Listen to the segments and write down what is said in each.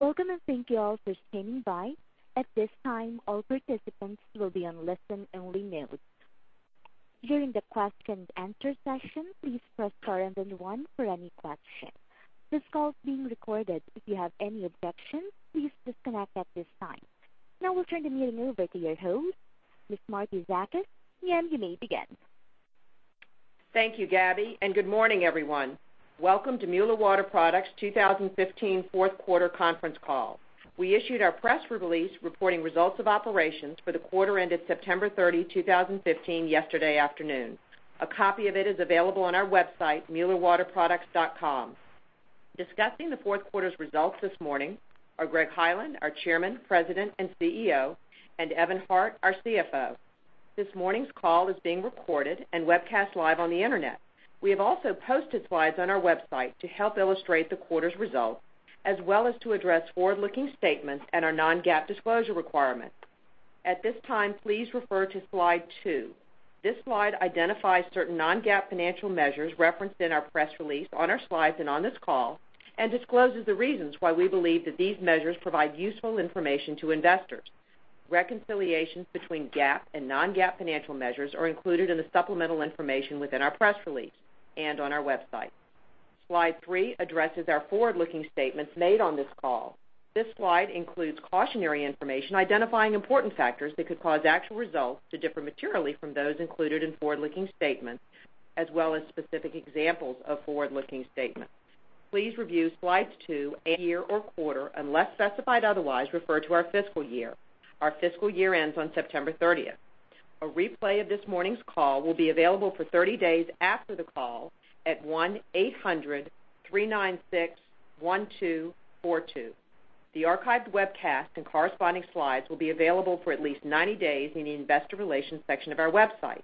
Welcome and thank you all for standing by. At this time, all participants will be on listen-only mode. During the question and answer session, please press star 1 for any question. This call is being recorded. If you have any objections, please disconnect at this time. We'll turn the meeting over to your host, Ms. Marietta Zakas. Ma'am, you may begin. Thank you, Gabby, and good morning, everyone. Welcome to Mueller Water Products' 2015 fourth quarter conference call. We issued our press release reporting results of operations for the quarter ended September 30, 2015, yesterday afternoon. A copy of it is available on our website, muellerwaterproducts.com. Discussing the fourth quarter's results this morning are Greg Hyland, our Chairman, President, and CEO, and Evan Hart, our CFO. This morning's call is being recorded and webcast live on the internet. We have also posted slides on our website to help illustrate the quarter's results, as well as to address forward-looking statements and our non-GAAP disclosure requirements. At this time, please refer to Slide two. This slide identifies certain non-GAAP financial measures referenced in our press release, on our slides, and on this call, and discloses the reasons why we believe that these measures provide useful information to investors. Reconciliations between GAAP and non-GAAP financial measures are included in the supplemental information within our press release and on our website. Slide three addresses our forward-looking statements made on this call. This slide includes cautionary information identifying important factors that could cause actual results to differ materially from those included in forward-looking statements, as well as specific examples of forward-looking statements. Please review slide two, end year or quarter, unless specified otherwise, refer to our fiscal year. Our fiscal year ends on September 30th. A replay of this morning's call will be available for 30 days after the call at 1-800-396-1242. The archived webcast and corresponding slides will be available for at least 90 days in the investor relations section of our website.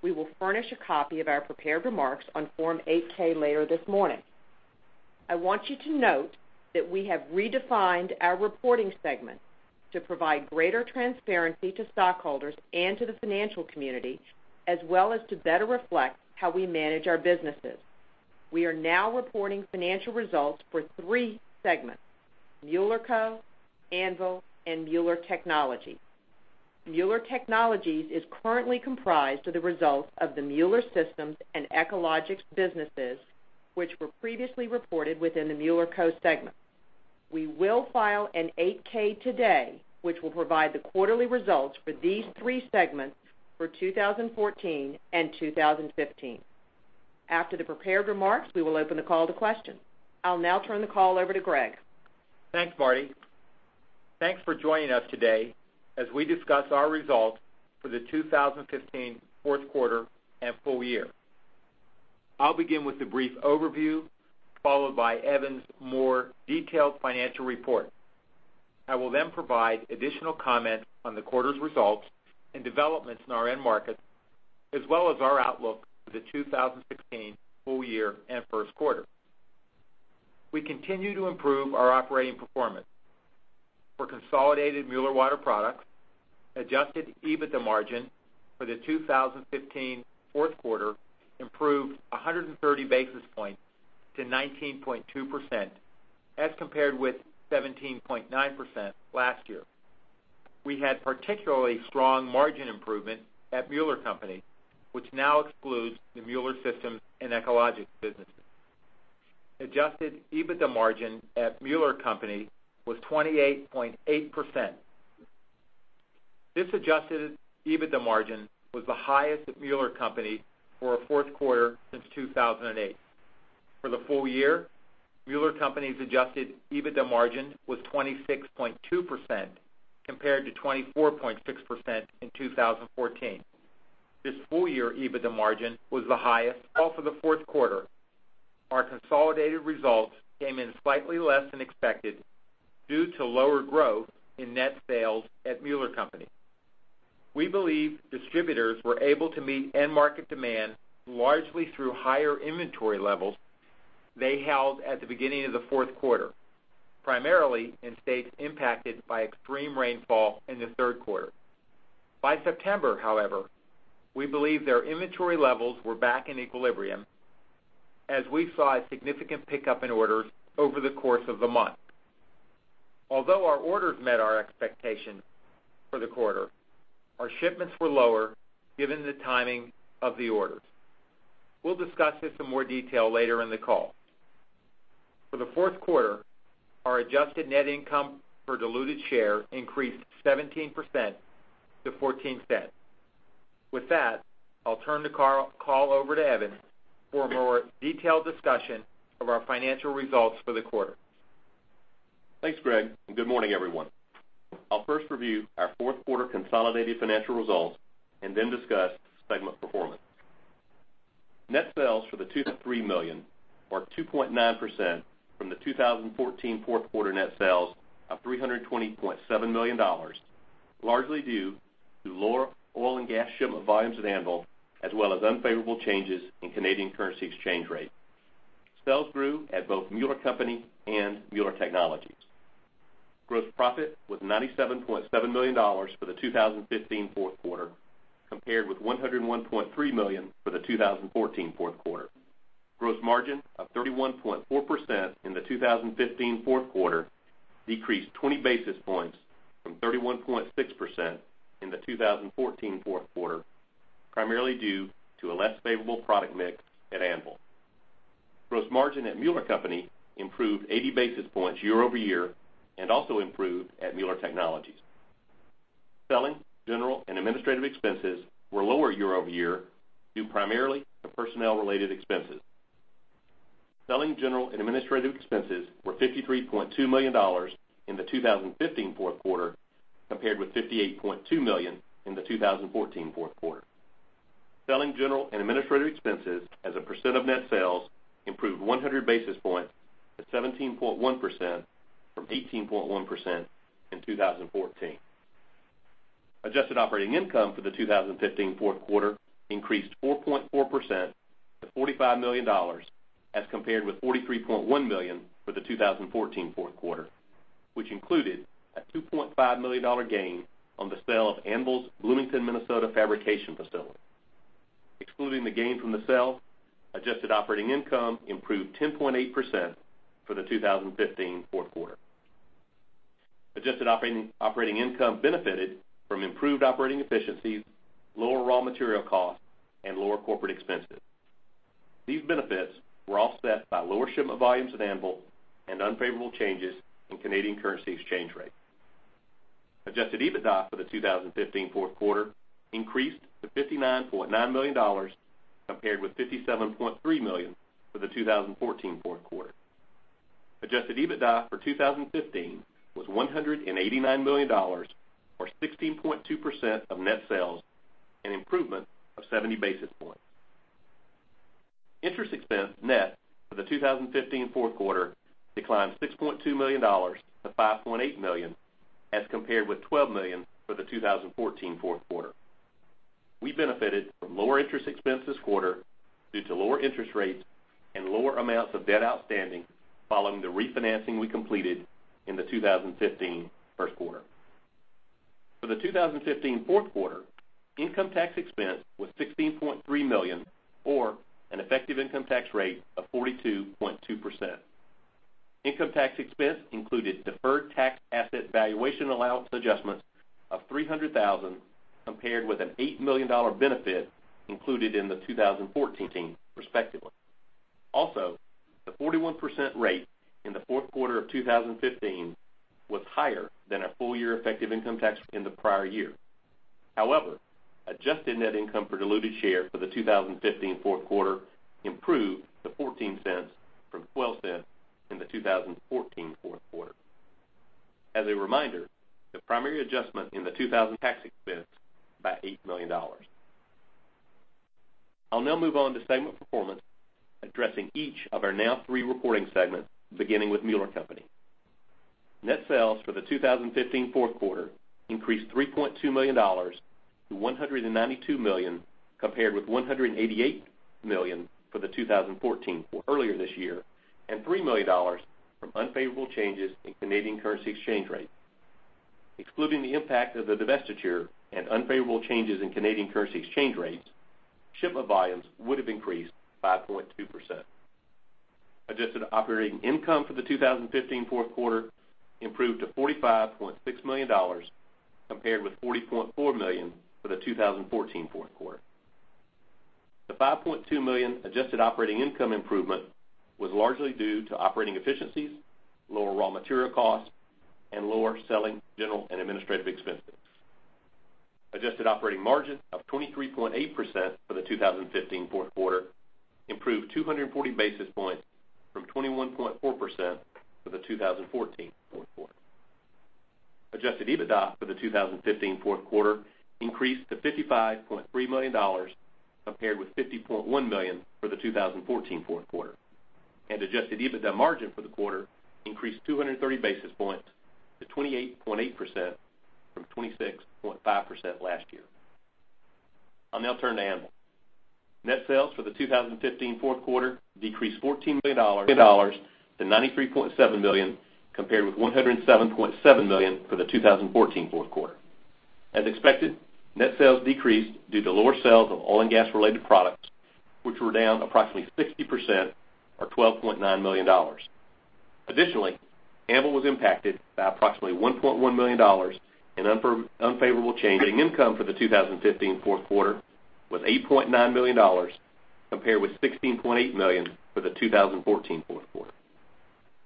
We will furnish a copy of our prepared remarks on Form 8-K later this morning. I want you to note that we have redefined our reporting segment to provide greater transparency to stockholders and to the financial community, as well as to better reflect how we manage our businesses. We are now reporting financial results for three segments: Mueller Co, Anvil, and Mueller Technologies. Mueller Technologies is currently comprised of the results of the Mueller Systems and Echologics businesses, which were previously reported within the Mueller Co segment. We will file an 8-K today, which will provide the quarterly results for these three segments for 2014 and 2015. After the prepared remarks, we will open the call to questions. I'll turn the call over to Greg. Thanks, Marti. Thanks for joining us today as we discuss our results for the 2015 fourth quarter and full year. I'll begin with a brief overview, followed by Evan's more detailed financial report. I will then provide additional comment on the quarter's results and developments in our end market, as well as our outlook for the 2016 full year and first quarter. We continue to improve our operating performance. For consolidated Mueller Water Products, adjusted EBITDA margin for the 2015 fourth quarter improved 130 basis points to 19.2%, as compared with 17.9% last year. We had particularly strong margin improvement at Mueller Co., which now excludes the Mueller Systems and Echologics businesses. Adjusted EBITDA margin at Mueller Co. was 28.8%. This adjusted EBITDA margin was the highest at Mueller Co. for a fourth quarter since 2008. For the full year, Mueller Co.'s adjusted EBITDA margin was 26.2%, compared to 24.6% in 2014. Well for the fourth quarter, our consolidated results came in slightly less than expected due to lower growth in net sales at Mueller Co. We believe distributors were able to meet end market demand largely through higher inventory levels they held at the beginning of the fourth quarter, primarily in states impacted by extreme rainfall in the third quarter. By September, however, we believe their inventory levels were back in equilibrium as we saw a significant pickup in orders over the course of the month. Although our orders met our expectation for the quarter, our shipments were lower given the timing of the orders. We'll discuss this in more detail later in the call. For the fourth quarter, our adjusted net income per diluted share increased 17% to $0.14. With that, I'll turn the call over to Evan for a more detailed discussion of our financial results for the quarter. Thanks, Greg, and good morning, everyone. I'll first review our fourth quarter consolidated financial results and then discuss segment performance. Net sales $3 million, or 2.9% from the 2014 fourth quarter net sales of $320.7 million, largely due to lower oil and gas shipment volumes at Anvil, as well as unfavorable changes in Canadian currency exchange rates. Sales grew at both Mueller Co. and Mueller Technologies. Gross profit was $97.7 million for the 2015 fourth quarter, compared with $101.3 million for the 2014 fourth quarter. Gross margin of 31.4% in the 2015 fourth quarter decreased 20 basis points from 31.6% in the 2014 fourth quarter, primarily due to a less favorable product mix at Anvil. Gross margin at Mueller Co. improved 80 basis points year-over-year and also improved at Mueller Technologies. Selling, general and administrative expenses were lower year-over-year, due primarily to personnel-related expenses. Selling, general and administrative expenses were $53.2 million in the 2015 fourth quarter, compared with $58.2 million in the 2014 fourth quarter. Selling, general and administrative expenses as a % of net sales improved 100 basis points to 17.1% from 18.1% in 2014. Adjusted operating income for the 2015 fourth quarter increased 4.4% to $45 million as compared with $43.1 million for the 2014 fourth quarter, which included a $2.5 million gain on the sale of Anvil's Bloomington, Minnesota fabrication facility. Excluding the gain from the sale, adjusted operating income improved 10.8% for the 2015 fourth quarter. Adjusted operating income benefited from improved operating efficiencies, lower raw material costs, and lower corporate expenses. These benefits were offset by lower shipment volumes at Anvil and unfavorable changes in Canadian currency exchange rate. Adjusted EBITDA for the 2015 fourth quarter increased to $59.9 million, compared with $57.3 million for the 2014 fourth quarter. Adjusted EBITDA for 2015 was $189 million, or 16.2% of net sales, an improvement of 70 basis points. Interest expense net for the 2015 fourth quarter declined $6.2 million to $5.8 million, as compared with $12 million for the 2014 fourth quarter. We benefited from lower interest expense this quarter due to lower interest rates and lower amounts of debt outstanding following the refinancing we completed in the 2015 first quarter. For the 2015 fourth quarter, income tax expense was $16.3 million, or an effective income tax rate of 42.2%. Income tax expense included deferred tax asset valuation allowance adjustments of $300,000, compared with an $8 million benefit included in the 2014 respectively. Also, the 41% rate in the fourth quarter of 2015 was higher than our full year effective income tax in the prior year. However, adjusted net income per diluted share for the 2015 fourth quarter improved to $0.14 from $0.12 in the 2014 fourth quarter. As a reminder, the primary adjustment in the 2000 tax expense by $8 million. I'll now move on to segment performance, addressing each of our now three reporting segments, beginning with Mueller Co. Net sales for the 2015 fourth quarter increased $3.2 million to $192 million, compared with $188 million for the 2014 earlier this year, and $3 million from unfavorable changes in Canadian currency exchange rates. Excluding the impact of the divestiture and unfavorable changes in Canadian currency exchange rates, shipment volumes would have increased 5.2%. Adjusted operating income for the 2015 fourth quarter improved to $45.6 million, compared with $40.4 million for the 2014 fourth quarter. The $5.2 million adjusted operating income improvement was largely due to operating efficiencies, lower raw material costs, and lower selling, general and administrative expenses. Adjusted operating margin of 23.8% for the 2015 fourth quarter improved 240 basis points from 21.4% for the 2014 fourth quarter. Adjusted EBITDA for the 2015 fourth quarter increased to $55.3 million, compared with $50.1 million for the 2014 fourth quarter. Adjusted EBITDA margin for the quarter increased 230 basis points to 28.8% from 26.5% last year. I'll now turn to Anvil. Net sales for the 2015 fourth quarter decreased $14 million to $93.7 million, compared with $107.7 million for the 2014 fourth quarter. As expected, net sales decreased due to lower sales of oil and gas-related products, which were down approximately 60%, or $12.9 million. Additionally, Anvil was impacted by approximately $1.1 million in unfavorable changes. Income for the 2015 fourth quarter was $8.9 million, compared with $16.8 million for the 2014 fourth quarter.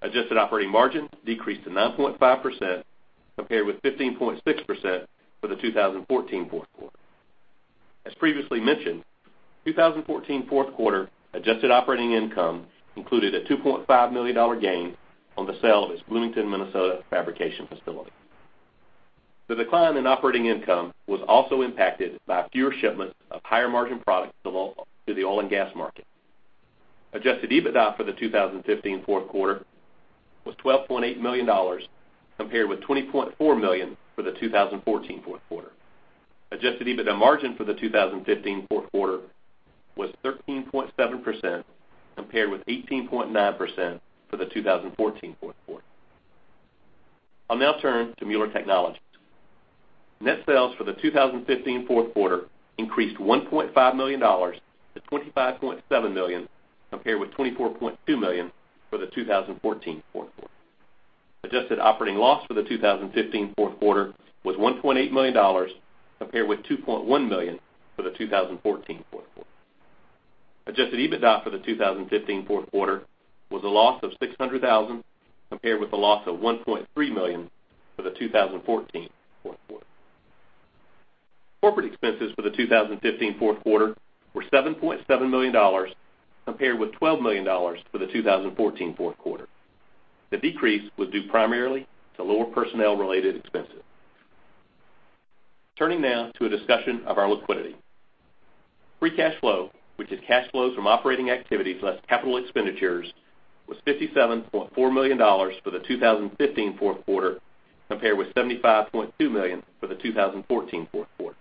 Adjusted operating margin decreased to 9.5%, compared with 15.6% for the 2014 fourth quarter. As previously mentioned, 2014 fourth quarter adjusted operating income included a $2.5 million gain on the sale of its Bloomington, Minnesota fabrication facility. The decline in operating income was also impacted by fewer shipments of higher margin products to the oil and gas market. Adjusted EBITDA for the 2015 fourth quarter was $12.8 million, compared with $20.4 million for the 2014 fourth quarter. Adjusted EBITDA margin for the 2015 fourth quarter was 13.7%, compared with 18.9% for the 2014 fourth quarter. I'll now turn to Mueller Technologies. Net sales for the 2015 fourth quarter increased $1.5 million to $25.7 million, compared with $24.2 million for the 2014 fourth quarter. Adjusted operating loss for the 2015 fourth quarter was $1.8 million, compared with $2.1 million for the 2014 fourth quarter. Adjusted EBITDA for the 2015 fourth quarter was a loss of $600,000, compared with a loss of $1.3 million for the 2014 fourth quarter. Corporate expenses for the 2015 fourth quarter were $7.7 million, compared with $12 million for the 2014 fourth quarter. The decrease was due primarily to lower personnel-related expenses. Turning now to a discussion of our liquidity. Free cash flow, which is cash flows from operating activities less capital expenditures, was $57.4 million for the 2015 fourth quarter, compared with $75.2 million for the 2014 fourth quarter.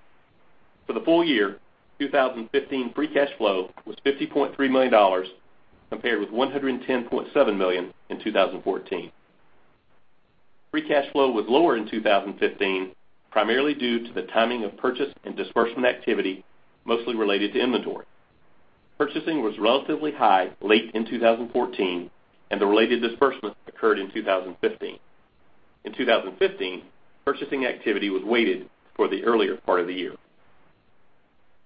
For the full year 2015, free cash flow was $50.3 million, compared with $110.7 million in 2014. Free cash flow was lower in 2015, primarily due to the timing of purchase and disbursement activity, mostly related to inventory. Purchasing was relatively high late in 2014, and the related disbursements occurred in 2015. In 2015, purchasing activity was weighted for the earlier part of the year.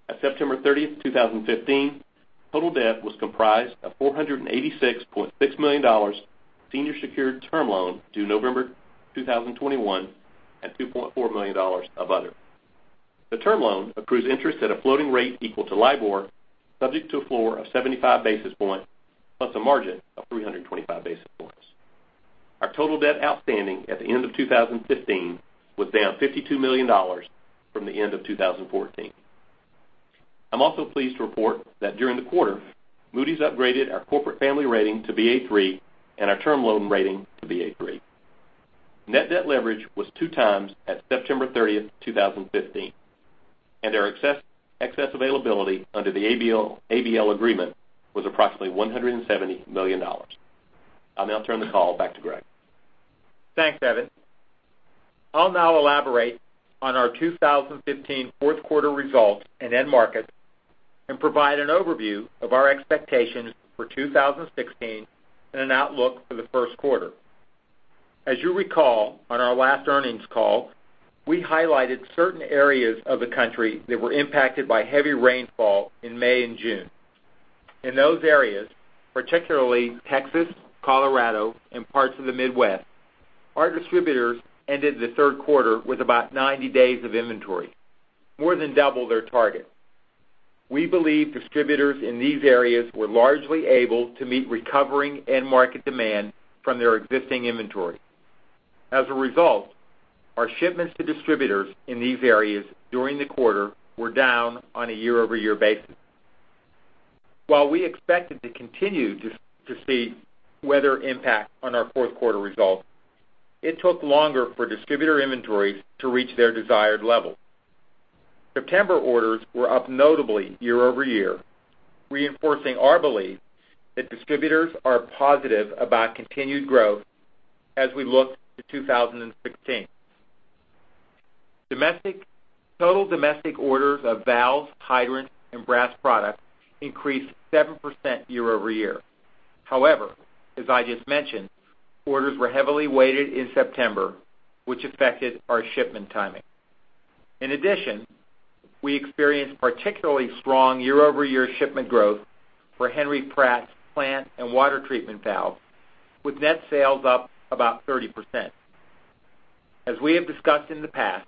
At September 30th, 2015, total debt was comprised of $486.6 million senior secured term loan due November 2021 and $2.4 million of other. The term loan accrues interest at a floating rate equal to LIBOR, subject to a floor of 75 basis points, plus a margin of 325 basis points. Our total debt outstanding at the end of 2015 was down $52 million from the end of 2014. I'm also pleased to report that during the quarter, Moody's upgraded our corporate family rating to Ba3 and our term loan rating to Ba3. Net debt leverage was two times at September 30th, 2015, and our excess availability under the ABL agreement was approximately $170 million. I'll now turn the call back to Greg. Thanks, Evan. I'll now elaborate on our 2015 fourth quarter results and end markets and provide an overview of our expectations for 2016 and an outlook for the first quarter. As you recall, on our last earnings call, we highlighted certain areas of the country that were impacted by heavy rainfall in May and June. In those areas, particularly Texas, Colorado, and parts of the Midwest, our distributors ended the third quarter with about 90 days of inventory, more than double their target. We believe distributors in these areas were largely able to meet recovering end market demand from their existing inventory. As a result, our shipments to distributors in these areas during the quarter were down on a year-over-year basis. While we expected to continue to see weather impact on our fourth quarter results, it took longer for distributor inventories to reach their desired level. September orders were up notably year-over-year, reinforcing our belief that distributors are positive about continued growth as we look to 2016. Total domestic orders of valves, hydrants, and brass products increased 7% year-over-year. However, as I just mentioned, orders were heavily weighted in September, which affected our shipment timing. In addition, we experienced particularly strong year-over-year shipment growth for Henry Pratt's plant and water treatment valve, with net sales up about 30%. As we have discussed in the past,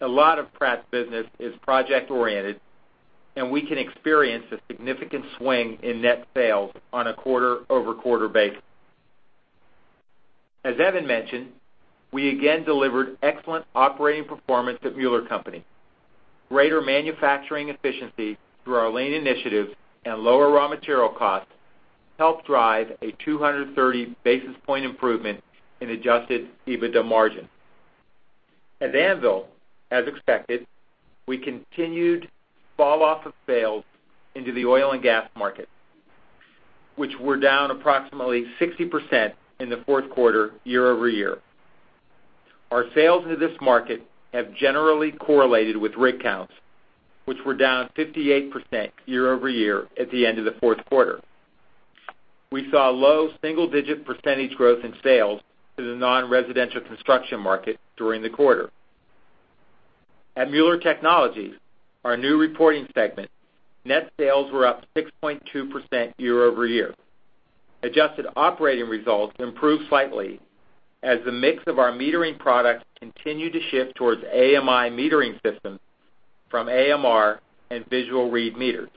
a lot of Pratt's business is project-oriented, and we can experience a significant swing in net sales on a quarter-over-quarter basis. As Evan mentioned, we again delivered excellent operating performance at Mueller Co. Greater manufacturing efficiency through our lean initiatives and lower raw material costs helped drive a 230 basis point improvement in adjusted EBITDA margin. At Anvil, as expected, we continued falloff of sales into the oil and gas market, which were down approximately 60% in the fourth quarter year-over-year. Our sales into this market have generally correlated with rig counts, which were down 58% year-over-year at the end of the fourth quarter. We saw low single-digit percentage growth in sales to the non-residential construction market during the quarter. At Mueller Technologies, our new reporting segment, net sales were up 6.2% year-over-year. Adjusted operating results improved slightly as the mix of our metering products continued to shift towards AMI metering systems from AMR and visual read meters.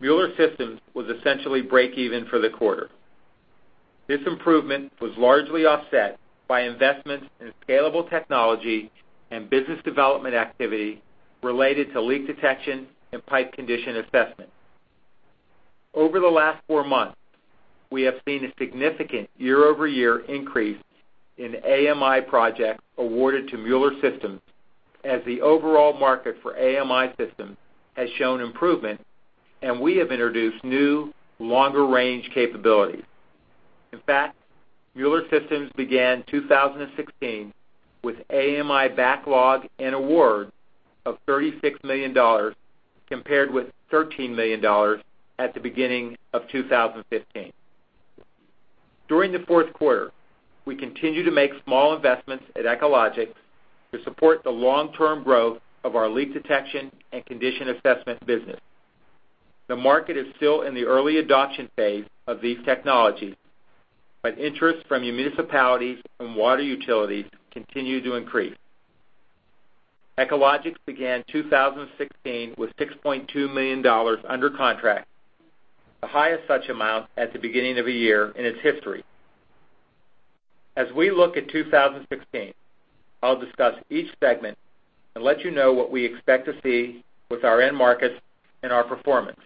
Mueller Systems was essentially break even for the quarter. This improvement was largely offset by investments in scalable technology and business development activity related to leak detection and pipe condition assessment. Over the last four months, we have seen a significant year-over-year increase in AMI projects awarded to Mueller Systems as the overall market for AMI systems has shown improvement, and we have introduced new, longer range capabilities. In fact, Mueller Systems began 2016 with AMI backlog and awards of $36 million, compared with $13 million at the beginning of 2015. During the fourth quarter, we continued to make small investments at Echologics to support the long-term growth of our leak detection and condition assessment business. The market is still in the early adoption phase of these technologies, but interest from municipalities and water utilities continue to increase. Echologics began 2016 with $6.2 million under contract, the highest such amount at the beginning of a year in its history. As we look at 2016, I'll discuss each segment and let you know what we expect to see with our end markets and our performance.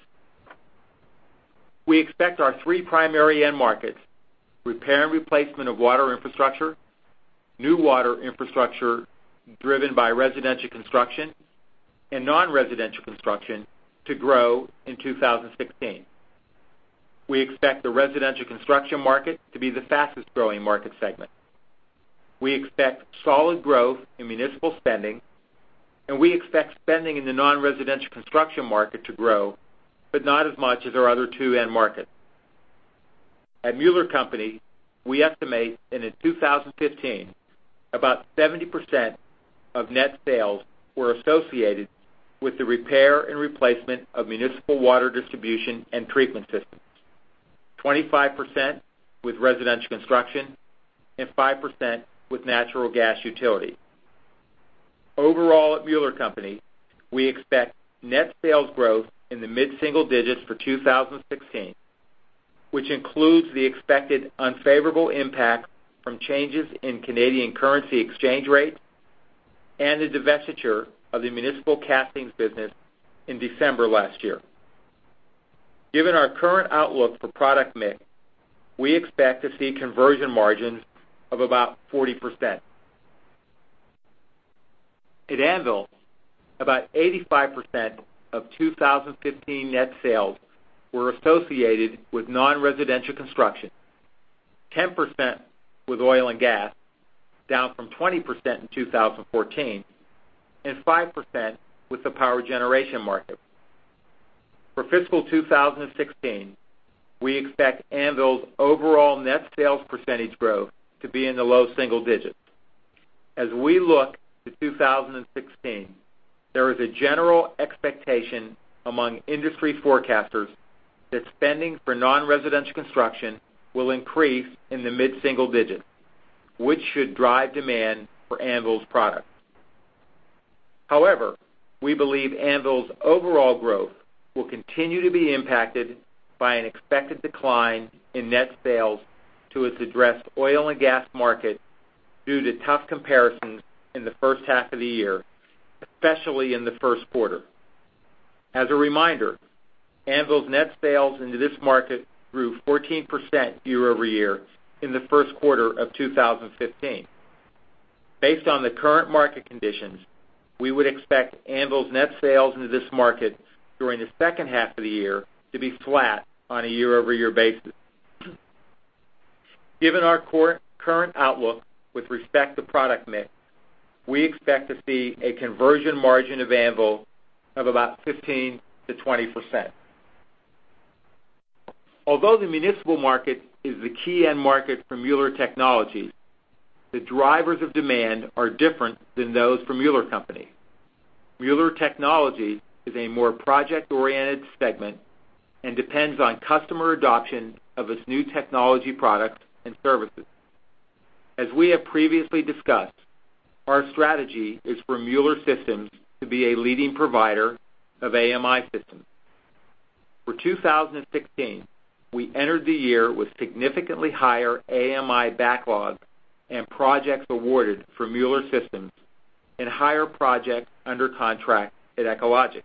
We expect our three primary end markets, repair and replacement of water infrastructure, new water infrastructure driven by residential construction, and non-residential construction, to grow in 2016. We expect the residential construction market to be the fastest growing market segment. We expect solid growth in municipal spending, and we expect spending in the non-residential construction market to grow, but not as much as our other two end markets. At Mueller Co., we estimate that in 2015, about 70% of net sales were associated with the repair and replacement of municipal water distribution and treatment systems, 25% with residential construction, and 5% with natural gas utilities. Overall, at Mueller Co., we expect net sales growth in the mid-single digits for 2016, which includes the expected unfavorable impact from changes in Canadian currency exchange rates and the divestiture of the municipal castings business in December last year. Given our current outlook for product mix, we expect to see conversion margins of about 40%. At Anvil, about 85% of 2015 net sales were associated with non-residential construction, 10% with oil and gas, down from 20% in 2014, and 5% with the power generation market. For fiscal 2016, we expect Anvil's overall net sales percentage growth to be in the low single digits. As we look to 2016, there is a general expectation among industry forecasters that spending for non-residential construction will increase in the mid-single digits, which should drive demand for Anvil's products. However, we believe Anvil's overall growth will continue to be impacted by an expected decline in net sales to its addressed oil and gas market due to tough comparisons in the first half of the year, especially in the first quarter. As a reminder, Anvil's net sales into this market grew 14% year-over-year in the first quarter of 2015. Based on the current market conditions, we would expect Anvil's net sales into this market during the second half of the year to be flat on a year-over-year basis. Given our current outlook with respect to product mix, we expect to see a conversion margin of Anvil of about 15%-20%. Although the municipal market is the key end market for Mueller Technologies, the drivers of demand are different than those for Mueller Co. Mueller Technologies is a more project-oriented segment and depends on customer adoption of its new technology products and services. As we have previously discussed, our strategy is for Mueller Systems to be a leading provider of AMI systems. For 2016, we entered the year with significantly higher AMI backlog and projects awarded for Mueller Systems and higher projects under contract at Echologics.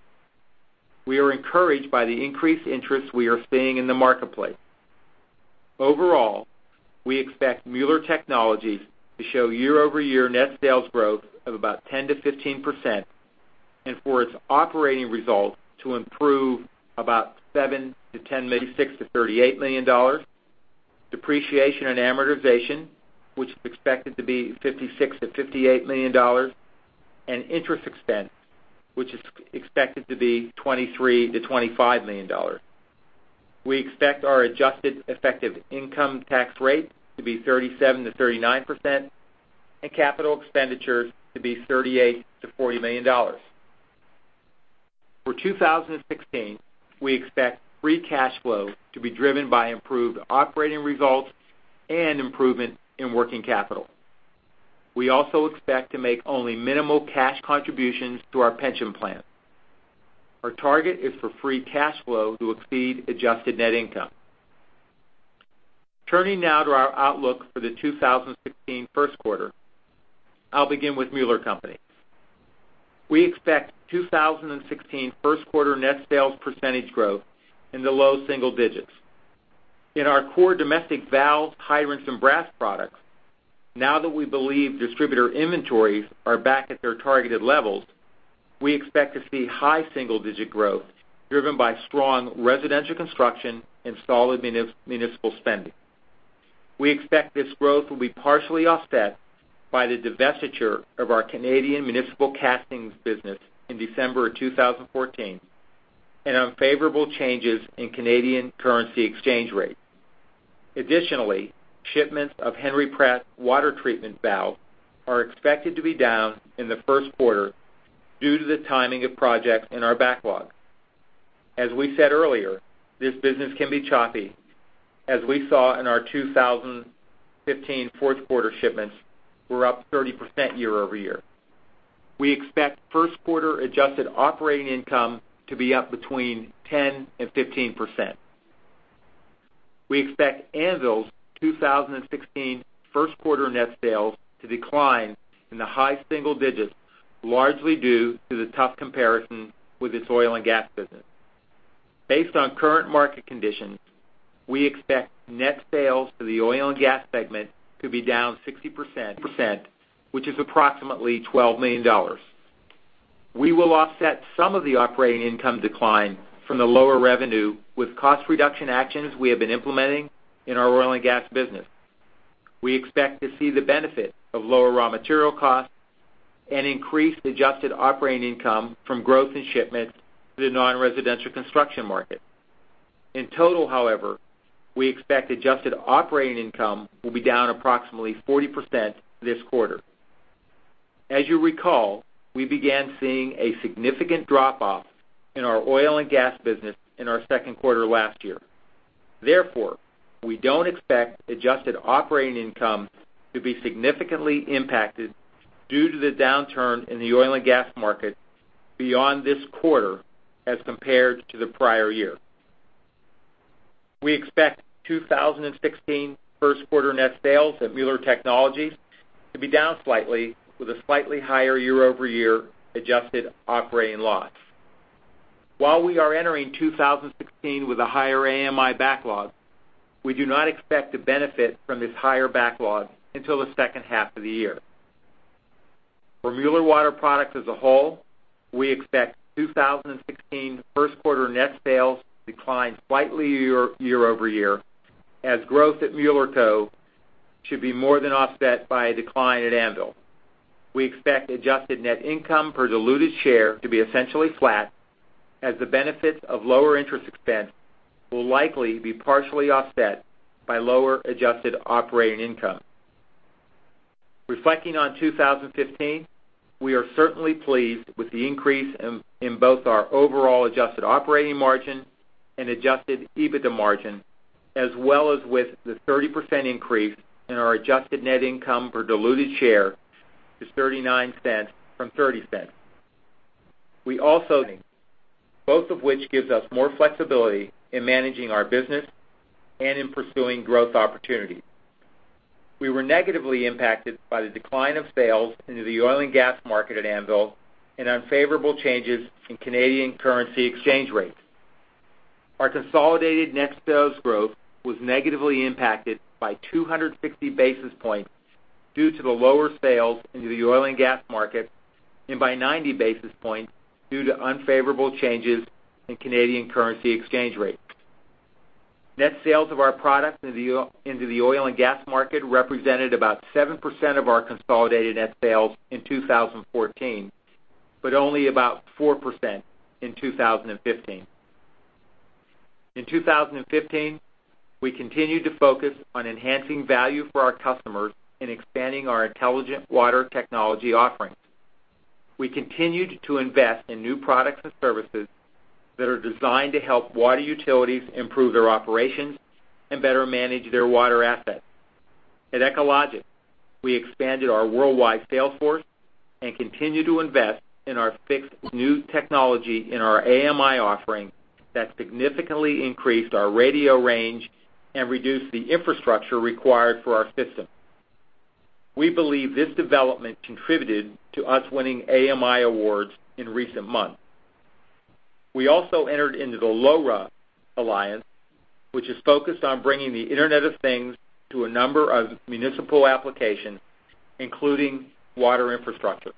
We are encouraged by the increased interest we are seeing in the marketplace. Overall, we expect Mueller Technologies to show year-over-year net sales growth of about 10%-15% and for its operating results to improve about $7 million-$10 million, maybe $6 million-$38 million. Depreciation and amortization, which is expected to be $56 million-$58 million, and interest expense, which is expected to be $23 million-$25 million. We expect our adjusted effective income tax rate to be 37%-39%, and capital expenditures to be $38 million-$40 million. For 2016, we expect free cash flow to be driven by improved operating results and improvement in working capital. We also expect to make only minimal cash contributions to our pension plan. Our target is for free cash flow to exceed adjusted net income. Turning now to our outlook for the 2016 first quarter, I'll begin with Mueller Co. We expect 2016 first quarter net sales percentage growth in the low single digits. In our core domestic valves, hydrants, and brass products, now that we believe distributor inventories are back at their targeted levels, we expect to see high single-digit growth driven by strong residential construction and solid municipal spending. We expect this growth will be partially offset by the divestiture of our Canadian municipal castings business in December 2014 and unfavorable changes in Canadian currency exchange rates. Additionally, shipments of Henry Pratt water treatment valves are expected to be down in the first quarter due to the timing of projects in our backlog. As we said earlier, this business can be choppy, as we saw in our 2015 fourth quarter shipments were up 30% year-over-year. We expect first quarter adjusted operating income to be up between 10% and 15%. We expect Anvil's 2016 first quarter net sales to decline in the high single digits, largely due to the tough comparison with its oil and gas business. Based on current market conditions, we expect net sales to the oil and gas segment to be down 60%, which is approximately $12 million. We will offset some of the operating income decline from the lower revenue with cost reduction actions we have been implementing in our oil and gas business. We expect to see the benefit of lower raw material costs and increased adjusted operating income from growth in shipments to the non-residential construction market. In total, however, we expect adjusted operating income will be down approximately 40% this quarter. As you recall, we began seeing a significant drop-off in our oil and gas business in our second quarter last year. Therefore, we don't expect adjusted operating income to be significantly impacted due to the downturn in the oil and gas market beyond this quarter as compared to the prior year. We expect 2016 first quarter net sales at Mueller Technologies to be down slightly with a slightly higher year-over-year adjusted operating loss. While we are entering 2016 with a higher AMI backlog, we do not expect to benefit from this higher backlog until the second half of the year. For Mueller Water Products as a whole, we expect 2016 first quarter net sales to decline slightly year-over-year, as growth at Mueller Co. should be more than offset by a decline at Anvil. We expect adjusted net income per diluted share to be essentially flat, as the benefits of lower interest expense will likely be partially offset by lower adjusted operating income. Reflecting on 2015, we are certainly pleased with the increase in both our overall adjusted operating margin and adjusted EBITDA margin, as well as with the 30% increase in our adjusted net income per diluted share to $0.39 from $0.30, both of which gives us more flexibility in managing our business and in pursuing growth opportunities. We were negatively impacted by the decline of sales into the oil and gas market at Anvil and unfavorable changes in Canadian currency exchange rates. Our consolidated net sales growth was negatively impacted by 260 basis points due to the lower sales into the oil and gas market and by 90 basis points due to unfavorable changes in Canadian currency exchange rates. Net sales of our products into the oil and gas market represented about 7% of our consolidated net sales in 2014, but only about 4% in 2015. In 2015, we continued to focus on enhancing value for our customers in expanding our intelligent water technology offerings. We continued to invest in new products and services that are designed to help water utilities improve their operations and better manage their water assets. At Echologics, we expanded our worldwide sales force and continue to invest in our fixed new technology in our AMI offering that significantly increased our radio range and reduced the infrastructure required for our system. We believe this development contributed to us winning AMI awards in recent months. We also entered into the LoRa Alliance, which is focused on bringing the Internet of Things to a number of municipal applications, including water infrastructure.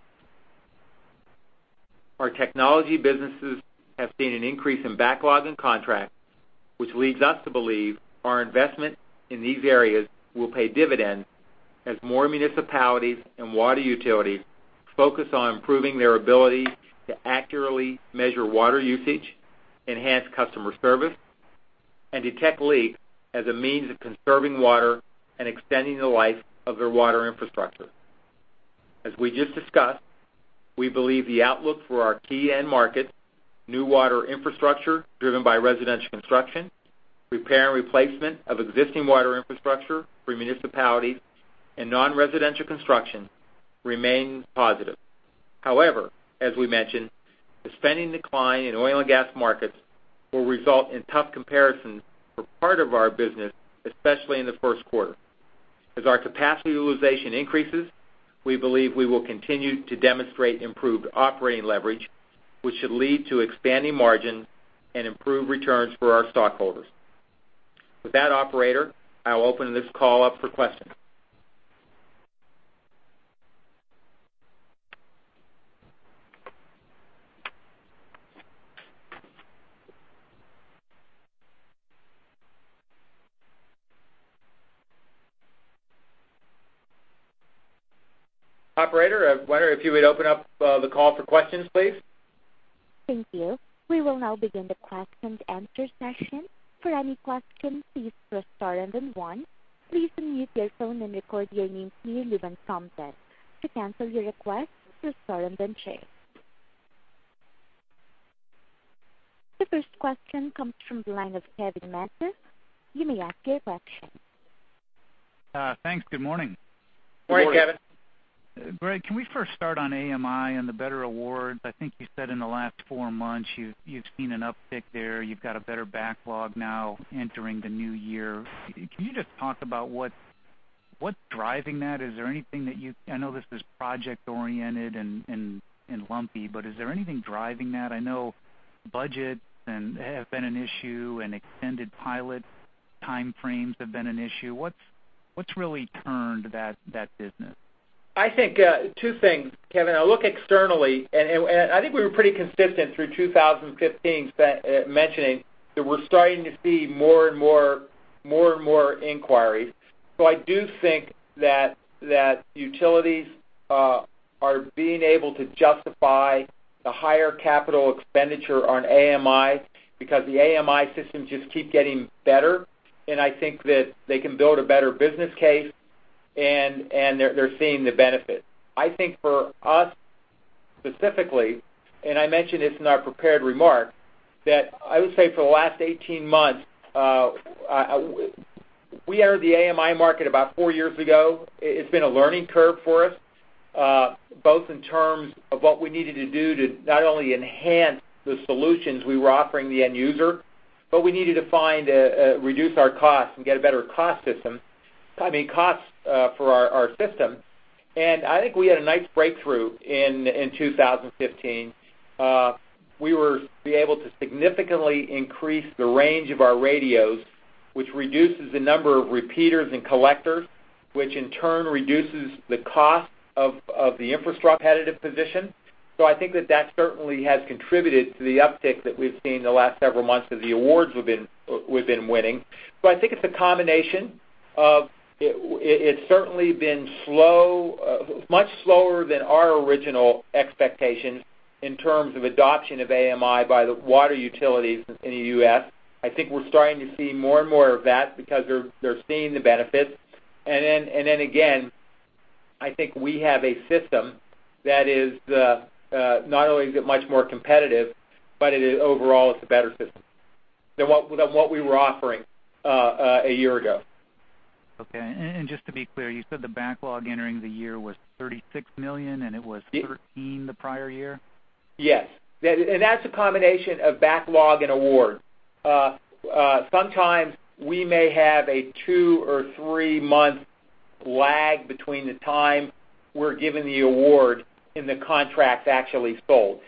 Our technology businesses have seen an increase in backlog and contracts, which leads us to believe our investment in these areas will pay dividends as more municipalities and water utilities focus on improving their ability to accurately measure water usage, enhance customer service, and detect leaks as a means of conserving water and extending the life of their water infrastructure. As we just discussed, we believe the outlook for our key end markets, new water infrastructure driven by residential construction, repair and replacement of existing water infrastructure for municipalities, and non-residential construction remains positive. As we mentioned, the spending decline in oil and gas markets will result in tough comparisons for part of our business, especially in the first quarter. As our capacity utilization increases, we believe we will continue to demonstrate improved operating leverage, which should lead to expanding margins and improved returns for our stockholders. With that, operator, I will open this call up for questions. Operator, I wonder if you would open up the call for questions, please. Thank you. We will now begin the question and answer session. For any questions, please press star and then one. Please unmute your phone and record your name clearly when prompted. To cancel your request, press star and then two. The first question comes from the line of Kevin Matter. You may ask your question. Thanks. Good morning. Good morning. Greg, can we first start on AMI and the better awards? I think you said in the last four months you've seen an uptick there. You've got a better backlog now entering the new year. Can you just talk about what's driving that? I know this is project-oriented and lumpy, but is there anything driving that? I know budgets have been an issue and extended pilot time frames have been an issue. What's really turned that business? I think two things, Kevin. I look externally, and I think we were pretty consistent through 2015 mentioning that we're starting to see more and more inquiries. I do think that utilities are being able to justify the higher capital expenditure on AMI because the AMI systems just keep getting better, and I think that they can build a better business case, and they're seeing the benefit. I think for us specifically, and I mentioned this in our prepared remarks, that I would say for the last 18 months. We entered the AMI market about four years ago. It's been a learning curve for us, both in terms of what we needed to do to not only enhance the solutions we were offering the end user, but we needed to reduce our costs and get a better cost for our system. I think we had a nice breakthrough in 2015. We were able to significantly increase the range of our radios, which reduces the number of repeaters and collectors, which in turn reduces the cost of the infrastructure competitive position. I think that certainly has contributed to the uptick that we've seen in the last several months of the awards we've been winning. I think it's a combination of, it's certainly been much slower than our original expectations in terms of adoption of AMI by the water utilities in the U.S. I think we're starting to see more and more of that because they're seeing the benefits. Again, I think we have a system that is not only much more competitive, but overall, it's a better system than what we were offering a year ago. Okay. Just to be clear, you said the backlog entering the year was $36 million, and it was $13 million the prior year? Yes. That's a combination of backlog and award. Sometimes we may have a two or three-month lag between the time we're given the award and the contract actually is sold.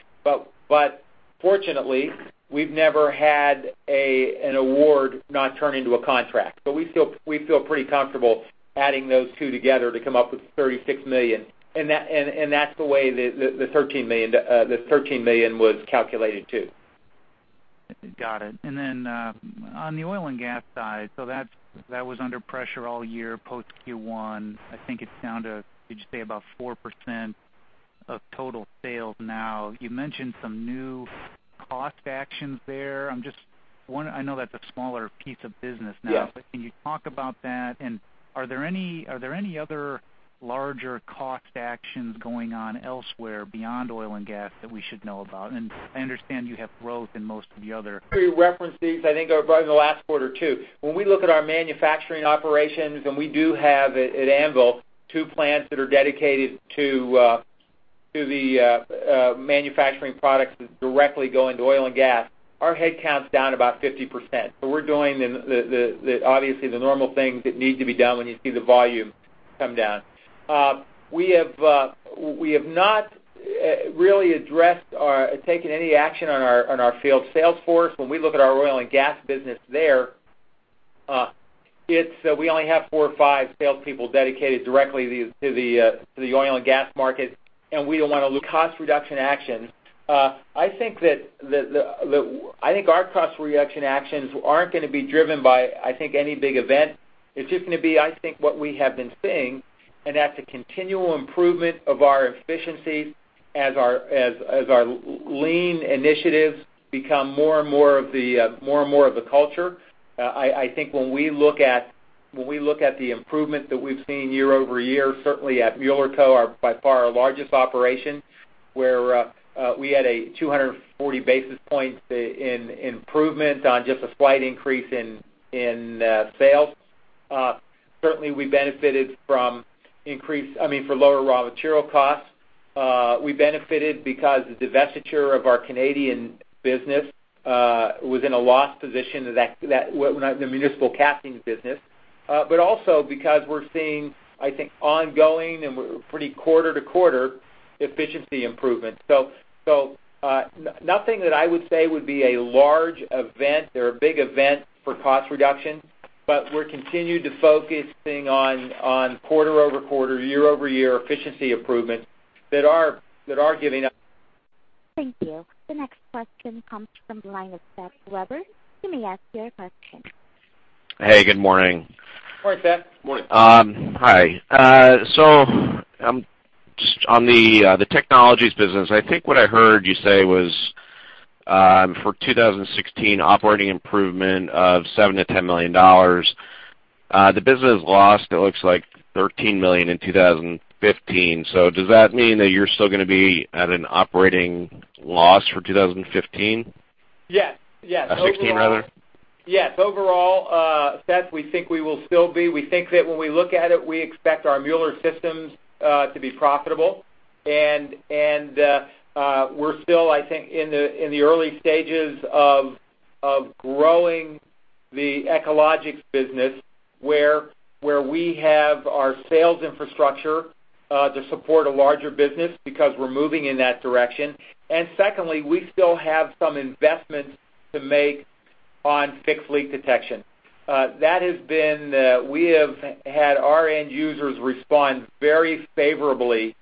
Fortunately, we've never had an award not turn into a contract. We feel pretty comfortable adding those two together to come up with $36 million. That's the way the $13 million was calculated, too. Got it. On the oil and gas side, so that was under pressure all year post Q1. I think it's down to, would you say about 4% of total sales now. You mentioned some new cost actions there. I know that's a smaller piece of business now. Yes. Can you talk about that? Are there any other larger cost actions going on elsewhere beyond oil and gas that we should know about? I understand you have growth in most of the other. We referenced these, I think, probably in the last quarter, too. When we look at our manufacturing operations, we do have, at Anvil, two plants that are dedicated to the manufacturing products that directly go into oil and gas. Our headcount's down about 50%. We're doing, obviously, the normal things that need to be done when you see the volume come down. We have not really addressed or taken any action on our field sales force. When we look at our oil and gas business there, we only have four or five salespeople dedicated directly to the oil and gas market. Cost reduction actions. I think our cost reduction actions aren't going to be driven by, I think, any big event. It's just going to be, I think, what we have been seeing, and that's a continual improvement of our efficiency as our lean initiatives become more and more of the culture. I think when we look at the improvement that we've seen year-over-year, certainly at Mueller Co., by far our largest operation, where we had a 240 basis points in improvement on just a slight increase in sales. Certainly, we benefited from lower raw material costs. We benefited because the divestiture of our Canadian business was in a loss position, the municipal castings business. Also because we're seeing, I think, ongoing and pretty quarter-to-quarter efficiency improvements. Nothing that I would say would be a large event or a big event for cost reduction, but we're continued to focusing on quarter-over-quarter, year-over-year efficiency improvements that are giving us. Thank you. The next question comes from the line of Seth Weber. You may ask your question. Hey, good morning. Morning, Seth. Morning. Hi. On the Mueller Technologies business, I think what I heard you say was, for 2016, operating improvement of $7 million-$10 million. The business lost, it looks like, $13 million in 2015. Does that mean that you're still going to be at an operating loss for 2015? Yes. 2016, rather. Yes. Overall, Seth, we think we will still be. We think that when we look at it, we expect our Mueller Systems to be profitable. We're still, I think, in the early stages of growing the Echologics business, where we have our sales infrastructure, to support a larger business, because we're moving in that direction. Secondly, we still have some investments to make on fixed leak detection. We have had our end users respond very favorably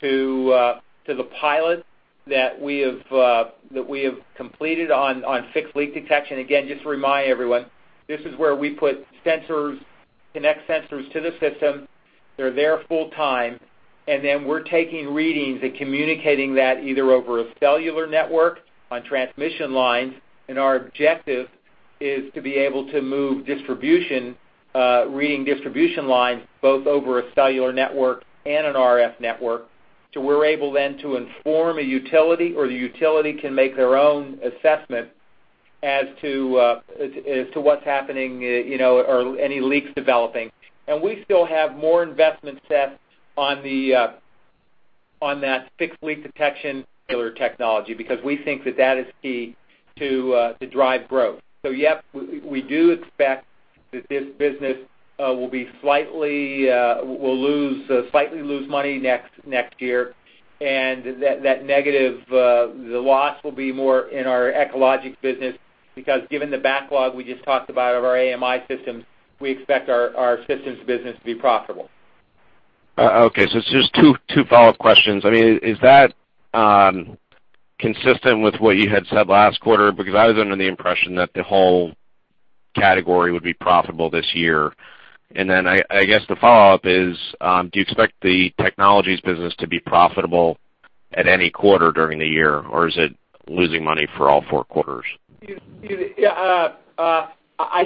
to the pilot that we have completed on fixed leak detection. Again, just to remind everyone, this is where we put sensors, connect sensors to the system. They're there full time, we're taking readings and communicating that either over a cellular network on transmission lines. Our objective is to be able to move distribution, reading distribution lines, both over a cellular network and an RF network. We're able then to inform a utility, or the utility can make their own assessment as to what's happening or any leaks developing. We still have more investments, Seth, on that fixed leak detection cellular technology, because we think that that is key to drive growth. Yep, we do expect that this business will slightly lose money next year, and the loss will be more in our Echologics business, because given the backlog we just talked about of our AMI systems, we expect our systems business to be profitable. It's just two follow-up questions. Is that consistent with what you had said last quarter? I was under the impression that the whole category would be profitable this year. I guess the follow-up is, do you expect the Technologies business to be profitable at any quarter during the year, or is it losing money for all four quarters? I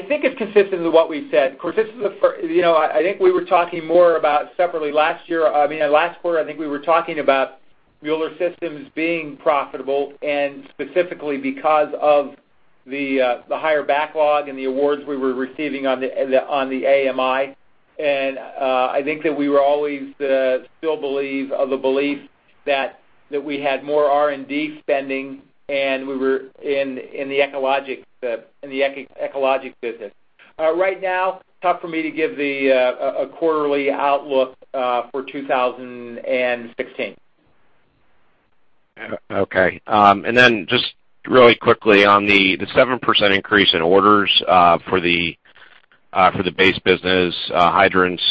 think it's consistent with what we've said. I think we were talking more about separately last year. Last quarter, I think we were talking about Mueller Systems being profitable, specifically because of the higher backlog and the awards we were receiving on the AMI. I think that we were always of the belief that we had more R&D spending in the Echologics business. Right now, tough for me to give a quarterly outlook for 2016. Okay. Just really quickly on the 7% increase in orders for the base business, hydrants,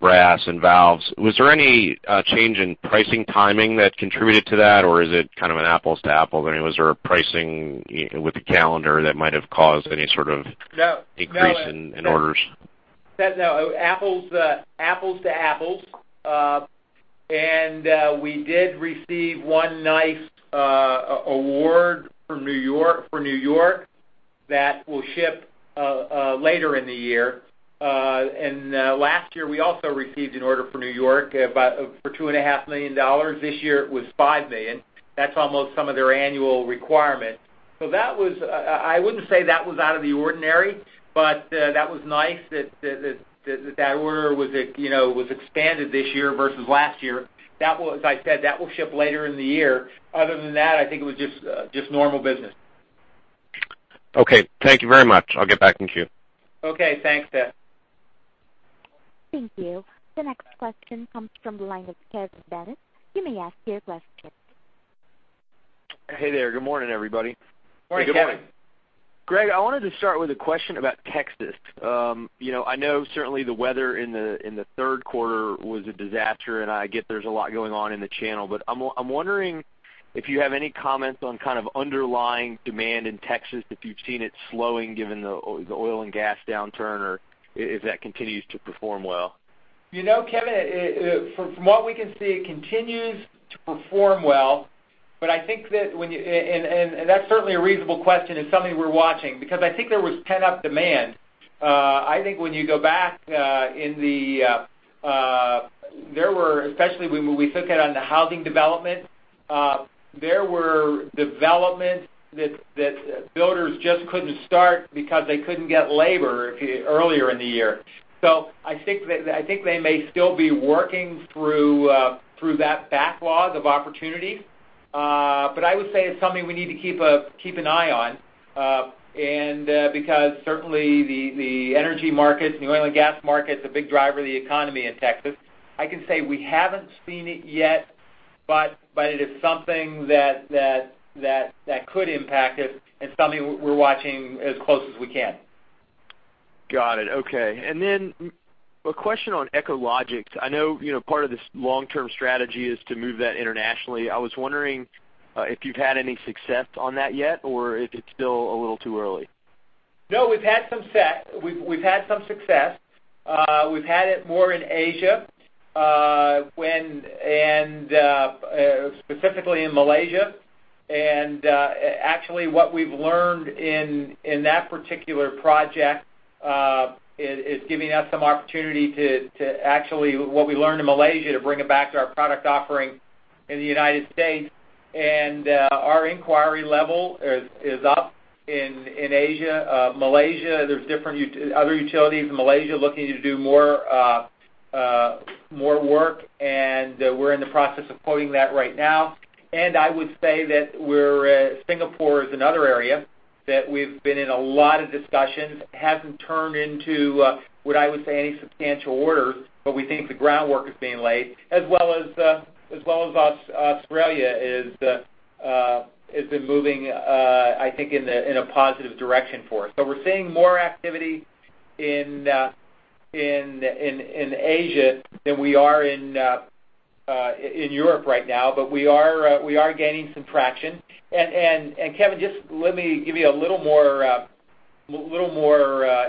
brass, and valves, was there any change in pricing timing that contributed to that, or is it kind of an apples to apples? Was there a pricing with the calendar that might have caused any sort of? No increase in orders? Seth, no. Apples to apples. We did receive one nice award for New York that will ship later in the year. Last year, we also received an order for New York for $2.5 million. This year it was $5 million. That's almost some of their annual requirement. I wouldn't say that was out of the ordinary, but that was nice that that order was expanded this year versus last year. As I said, that will ship later in the year. Other than that, I think it was just normal business. Okay. Thank you very much. I'll get back in queue. Okay. Thanks, Seth. Thank you. The next question comes from the line of Kevin Dennis. You may ask your question. Hey there. Good morning, everybody. Morning, Kevin. Good morning. Greg, I wanted to start with a question about Texas. I know certainly the weather in the third quarter was a disaster, I get there is a lot going on in the channel, but I am wondering if you have any comments on kind of underlying demand in Texas, if you have seen it slowing given the oil and gas downturn, or if that continues to perform well. Kevin, from what we can see, it continues to perform well. That is certainly a reasonable question and something we are watching, because I think there was pent-up demand. I think when you go back, there were, especially when we focused on the housing development, there were developments that builders just couldn't start because they couldn't get labor earlier in the year. I think they may still be working through that backlog of opportunities. I would say it is something we need to keep an eye on, because certainly the energy markets, the oil and gas markets, a big driver of the economy in Texas. I can say we haven't seen it yet, but it is something that could impact us and something we are watching as close as we can. Got it. Okay. A question on Echologics. I know part of this long-term strategy is to move that internationally. I was wondering if you have had any success on that yet, or if it is still a little too early. No, we've had some success. We've had it more in Asia, specifically in Malaysia. Actually, what we've learned in that particular project is giving us some opportunity to actually, what we learned in Malaysia, to bring it back to our product offering in the U.S. Our inquiry level is up in Asia, Malaysia. There's different other utilities in Malaysia looking to do more work, and we're in the process of quoting that right now. I would say that Singapore is another area that we've been in a lot of discussions. It hasn't turned into, what I would say, any substantial orders, but we think the groundwork is being laid. As well as Australia has been moving, I think, in a positive direction for us. We're seeing more activity in Asia than we are in Europe right now, but we are gaining some traction. Kevin, just let me give you a little more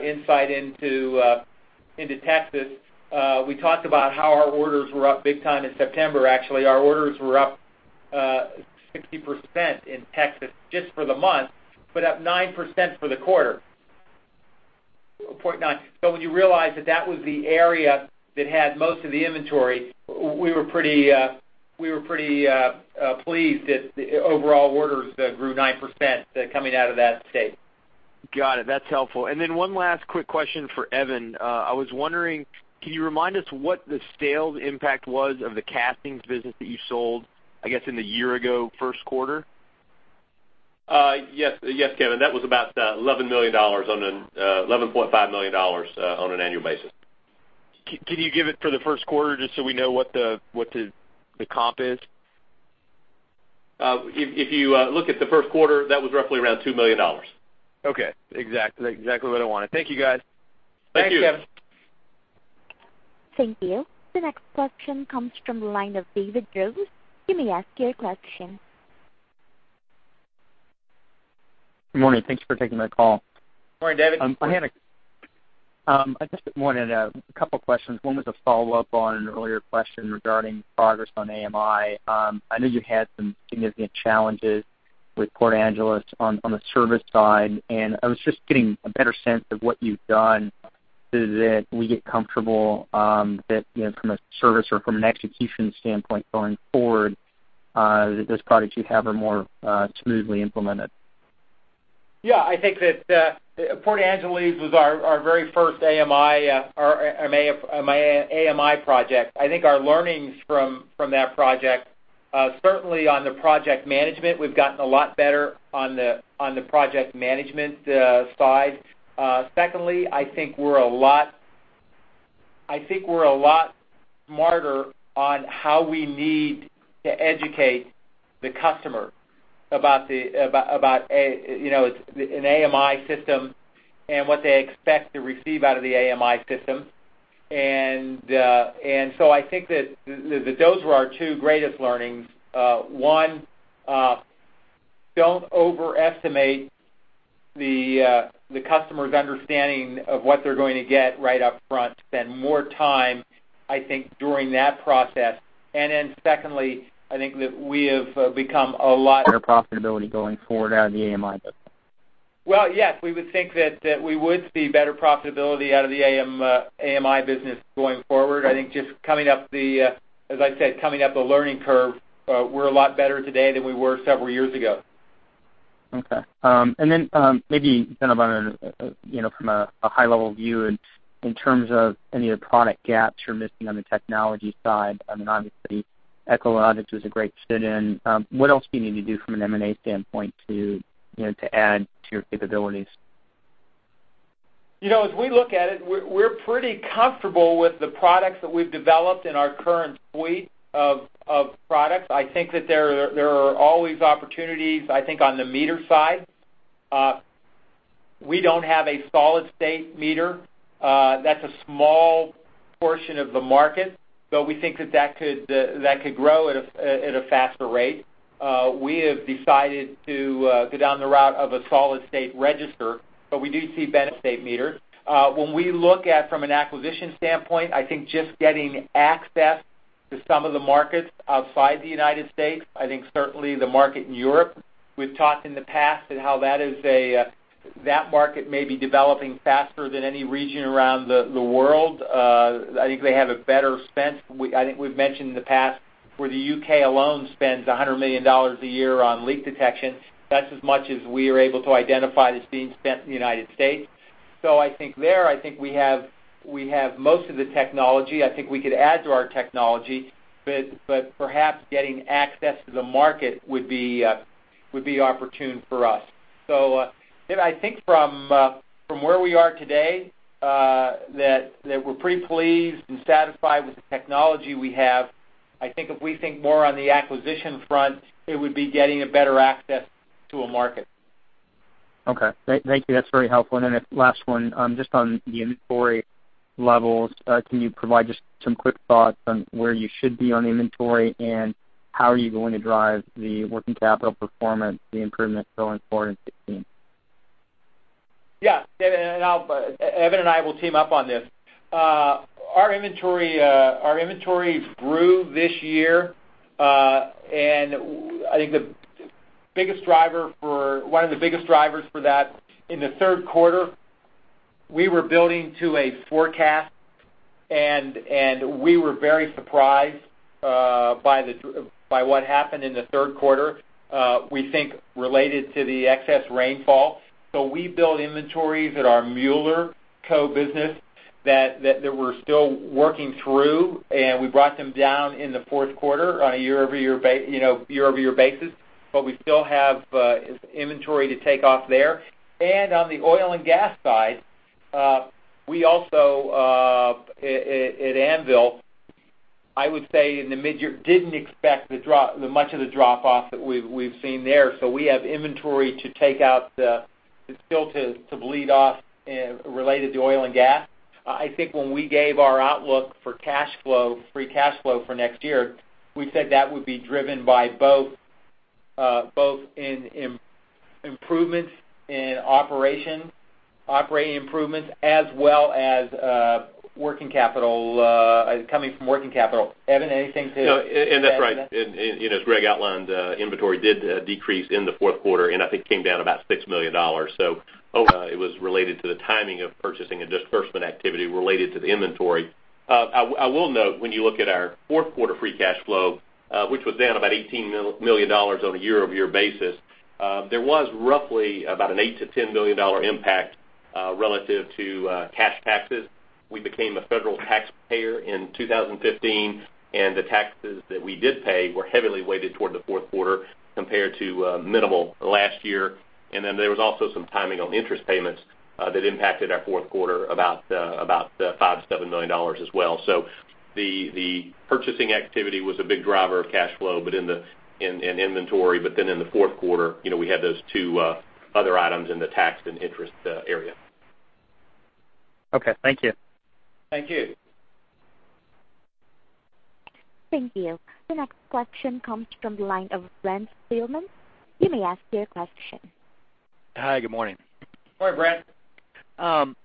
insight into Texas. We talked about how our orders were up big time in September. Actually, our orders were up 60% in Texas just for the month, but up 9% for the quarter. When you realize that that was the area that had most of the inventory, we were pretty pleased that the overall orders grew 9% coming out of that state. Got it. That's helpful. One last quick question for Evan. I was wondering, can you remind us what the sales impact was of the castings business that you sold, I guess, in the year ago first quarter? Yes, Kevin. That was about $11.5 million on an annual basis. Can you give it for the first quarter, just so we know what the comp is? If you look at the first quarter, that was roughly around $2 million. Okay. Exactly what I wanted. Thank you, guys. Thank you. Thank you. Thank you. The next question comes from the line of David Jones. You may ask your question. Good morning. Thank you for taking my call. Good morning, David. I just wanted a couple questions. One was a follow-up on an earlier question regarding progress on AMI. I know you had some significant challenges with Port Angeles on the service side, I was just getting a better sense of what you've done so that we get comfortable that from a service or from an execution standpoint going forward, that those products you have are more smoothly implemented. I think that Port Angeles was our very first AMI project. I think our learnings from that project, certainly on the project management, we've gotten a lot better on the project management side. Secondly, I think we're a lot smarter on how we need to educate the customer about an AMI system and what they expect to receive out of the AMI system. I think that those were our two greatest learnings. One, don't overestimate the customer's understanding of what they're going to get right up front. Spend more time, I think, during that process. Secondly, I think that we have become a lot Better profitability going forward out of the AMI business. Yes, we would think that we would see better profitability out of the AMI business going forward. I think just, as I said, coming up the learning curve, we're a lot better today than we were several years ago. Okay. Maybe, Evan, from a high-level view in terms of any of the product gaps you're missing on the technology side, obviously Echologics was a great fit in. What else do you need to do from an M&A standpoint to add to your capabilities? As we look at it, we're pretty comfortable with the products that we've developed in our current suite of products. I think that there are always opportunities on the meter side. We don't have a solid-state meter. That's a small portion of the market, but we think that that could grow at a faster rate. We have decided to go down the route of a solid-state register, but we do see benefit meter. When we look at, from an acquisition standpoint, I think just getting access to some of the markets outside the U.S., I think certainly the market in Europe, we've talked in the past and how that is. That market may be developing faster than any region around the world. I think they have a better spend. I think we've mentioned in the past where the U.K. alone spends $100 million a year on leak detection. That's as much as we are able to identify that's being spent in the U.S. I think there, we have most of the technology. I think we could add to our technology, but perhaps getting access to the market would be opportune for us. David, I think from where we are today, that we're pretty pleased and satisfied with the technology we have. I think if we think more on the acquisition front, it would be getting a better access to a market. Okay. Thank you. That's very helpful. Last one, just on the inventory levels, can you provide just some quick thoughts on where you should be on inventory, and how are you going to drive the working capital performance, the improvements going forward in 2016? Yeah. David, Evan and I will team up on this. Our inventory grew this year. I think one of the biggest drivers for that, in the third quarter, we were building to a forecast, and we were very surprised by what happened in the third quarter we think related to the excess rainfall. We built inventories at our Mueller Co business that we're still working through, and we brought them down in the fourth quarter on a year-over-year basis, but we still have inventory to take off there. On the oil and gas side, we also at Anvil, I would say in the midyear, didn't expect much of the drop-off that we've seen there. We have inventory to take out, to still to bleed off related to oil and gas. I think when we gave our outlook for cash flow, free cash flow for next year, we said that would be driven by both in improvements in operation, operating improvements, as well as coming from working capital. Evan, anything to add to that? No, that's right. As Greg outlined, inventory did decrease in the fourth quarter, and I think came down about $6 million. It was related to the timing of purchasing a disbursement activity related to the inventory. I will note, when you look at our fourth quarter free cash flow, which was down about $18 million on a year-over-year basis, there was roughly about an $8 million to $10 million impact, relative to cash taxes. We became a federal taxpayer in 2015, and the taxes that we did pay were heavily weighted toward the fourth quarter compared to minimal last year. There was also some timing on interest payments that impacted our fourth quarter about $5 million to $7 million as well. The purchasing activity was a big driver of cash flow and inventory. In the fourth quarter, we had those two other items in the tax and interest area. Okay. Thank you. Thank you. Thank you. The next question comes from the line of Brent Thillman. You may ask your question. Hi, good morning. Good morning, Brent.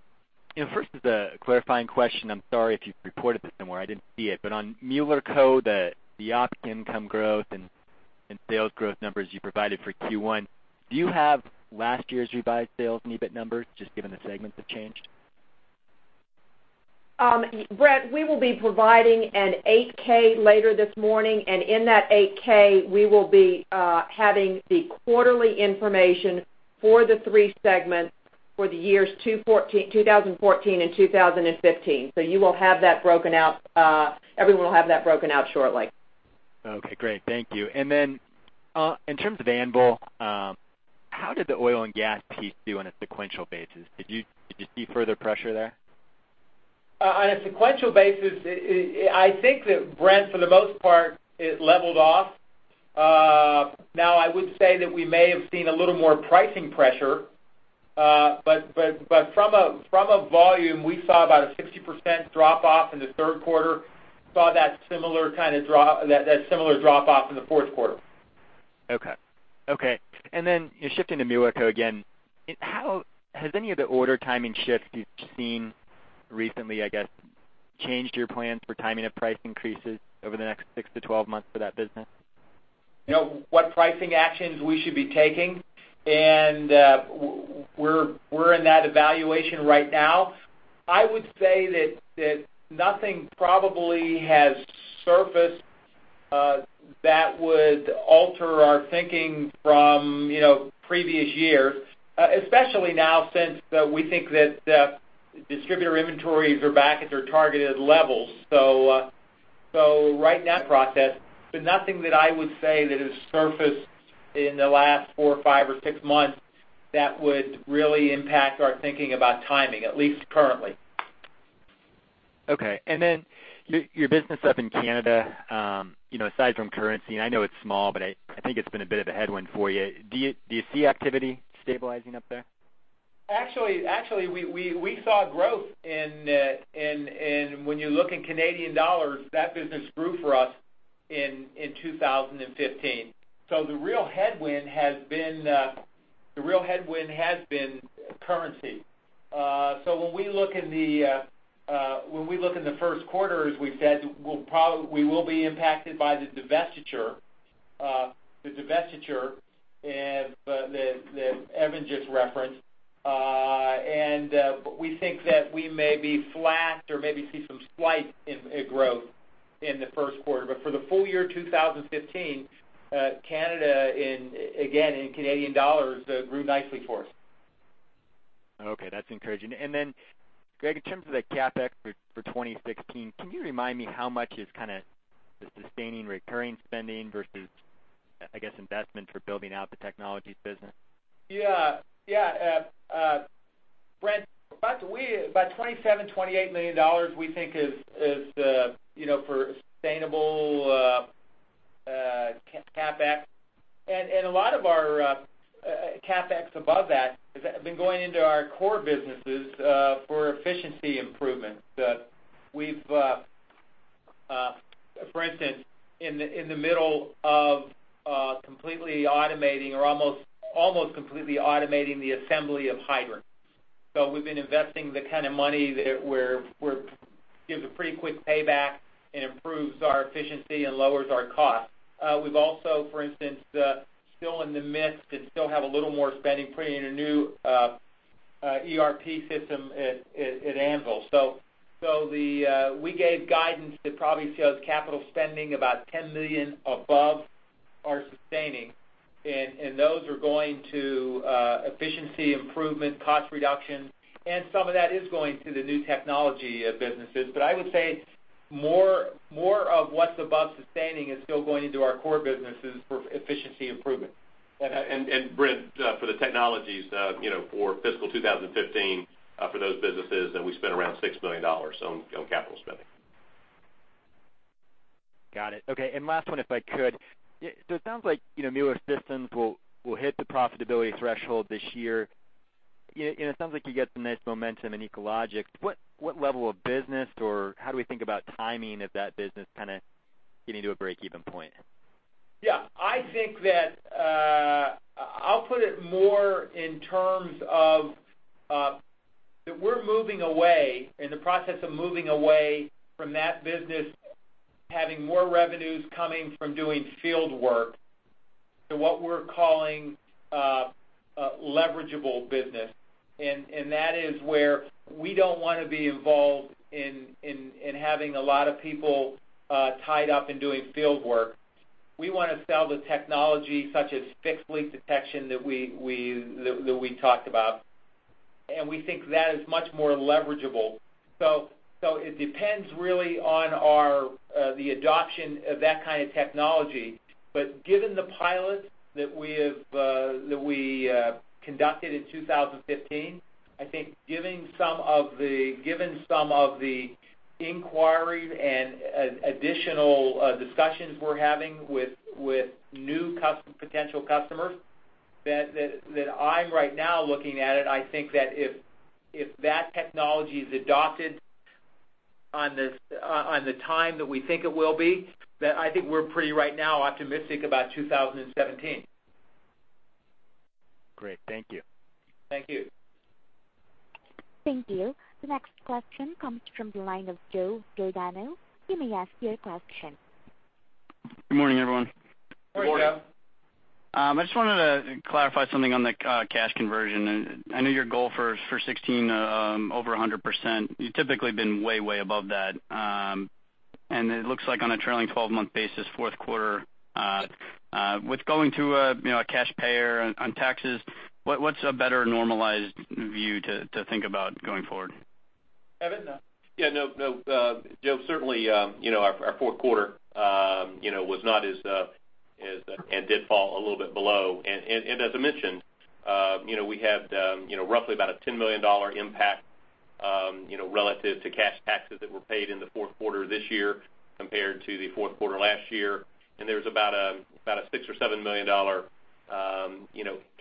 First is a clarifying question. I'm sorry if you've reported this somewhere, I didn't see it. On Mueller Co, the op income growth and sales growth numbers you provided for Q1, do you have last year's revised sales and EBIT numbers, just given the segments have changed? Brent, we will be providing an 8-K later this morning, in that 8-K, we will be having the quarterly information for the three segments for the years 2014 and 2015. Everyone will have that broken out shortly. Okay, great. Thank you. Then, in terms of Anvil, how did the oil and gas piece do on a sequential basis? Did you see further pressure there? On a sequential basis, I think that, Brent, for the most part, it leveled off. I would say that we may have seen a little more pricing pressure. From a volume, we saw about a 60% drop-off in the third quarter, saw that similar drop-off in the fourth quarter. Okay. Shifting to Mueller Co again, has any of the order timing shifts you've seen recently, I guess, changed your plans for timing of price increases over the next 6 to 12 months for that business? What pricing actions we should be taking, we're in that evaluation right now. I would say that nothing probably has surfaced that would alter our thinking from previous years, especially now since we think that the distributor inventories are back at their targeted levels. Right now in process, nothing that I would say that has surfaced in the last four, five, or six months that would really impact our thinking about timing, at least currently. Okay. Your business up in Canada, aside from currency, I know it's small, I think it's been a bit of a headwind for you. Do you see activity stabilizing up there? Actually, we saw growth in it. When you look in Canadian dollars, that business grew for us in 2015. The real headwind has been currency. When we look in the first quarter, as we've said, we will be impacted by the divestiture. The divestiture that Evan just referenced. We think that we may be flat or maybe see some slight growth in the first quarter. For the full year 2015, Canada, again, in Canadian dollars, grew nicely for us. Okay, that's encouraging. Greg, in terms of the CapEx for 2016, can you remind me how much is the sustaining recurring spending versus, I guess, investment for building out the Technologies business? Yeah. Brent, about $27, $28 million we think is for sustainable CapEx. A lot of our CapEx above that has been going into our core businesses for efficiency improvements. We've, for instance, in the middle of completely automating or almost completely automating the assembly of hydrants. We've been investing the kind of money that gives a pretty quick payback and improves our efficiency and lowers our cost. We've also, for instance, still in the midst and still have a little more spending putting in a new ERP system at Anvil. We gave guidance that probably shows capital spending about $10 million above our sustaining, and those are going to efficiency improvement, cost reduction, and some of that is going to the new Technology businesses. I would say more of what's above sustaining is still going into our core businesses for efficiency improvement. Brent, for the Technologies for fiscal 2015, for those businesses, we spent around $6 million on capital spending. Got it. Okay, last one, if I could. It sounds like Mueller Systems will hit the profitability threshold this year, and it sounds like you get some nice momentum in Echologics. What level of business, or how do we think about timing of that business kind of getting to a break-even point? I think that I'll put it more in terms of that we're moving away, in the process of moving away from that business having more revenues coming from doing field work to what we're calling leveragable business. That is where we don't want to be involved in having a lot of people tied up in doing field work. We want to sell the technology such as fixed leak detection that we talked about, and we think that is much more leveragable. It depends really on the adoption of that kind of technology. Given the pilot that we conducted in 2015, I think given some of the inquiry and additional discussions we're having with new potential customers, that I'm right now looking at it, I think that if that technology is adopted on the time that we think it will be, I think we're pretty right now optimistic about 2017. Great. Thank you. Thank you. Thank you. The next question comes from the line of Joe Giordano. You may ask your question. Good morning, everyone. Morning, Joe. Morning. I just wanted to clarify something on the cash conversion. I know your goal for 2016, over 100%. You've typically been way above that. It looks like on a trailing 12-month basis, fourth quarter, with going to a cash payer on taxes, what's a better normalized view to think about going forward? Evan? Yeah. Joe, certainly our fourth quarter was not as. It did fall a little bit below. As I mentioned we had roughly about a $10 million impact relative to cash taxes that were paid in the fourth quarter this year compared to the fourth quarter last year. There was about a $6 or $7 million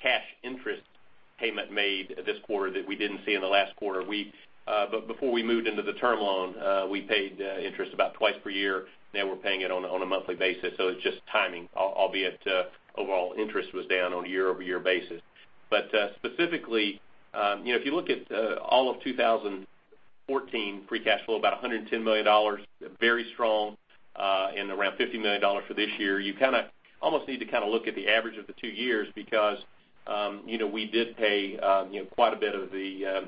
cash interest payment made this quarter that we didn't see in the last quarter. Before we moved into the term loan, we paid interest about twice per year. Now we're paying it on a monthly basis, so it's just timing, albeit overall interest was down on a year-over-year basis. Specifically, if you look at all of 2014 free cash flow, about $110 million, very strong, and around $50 million for this year. You almost need to kind of look at the average of the two years because we did pay quite a bit of the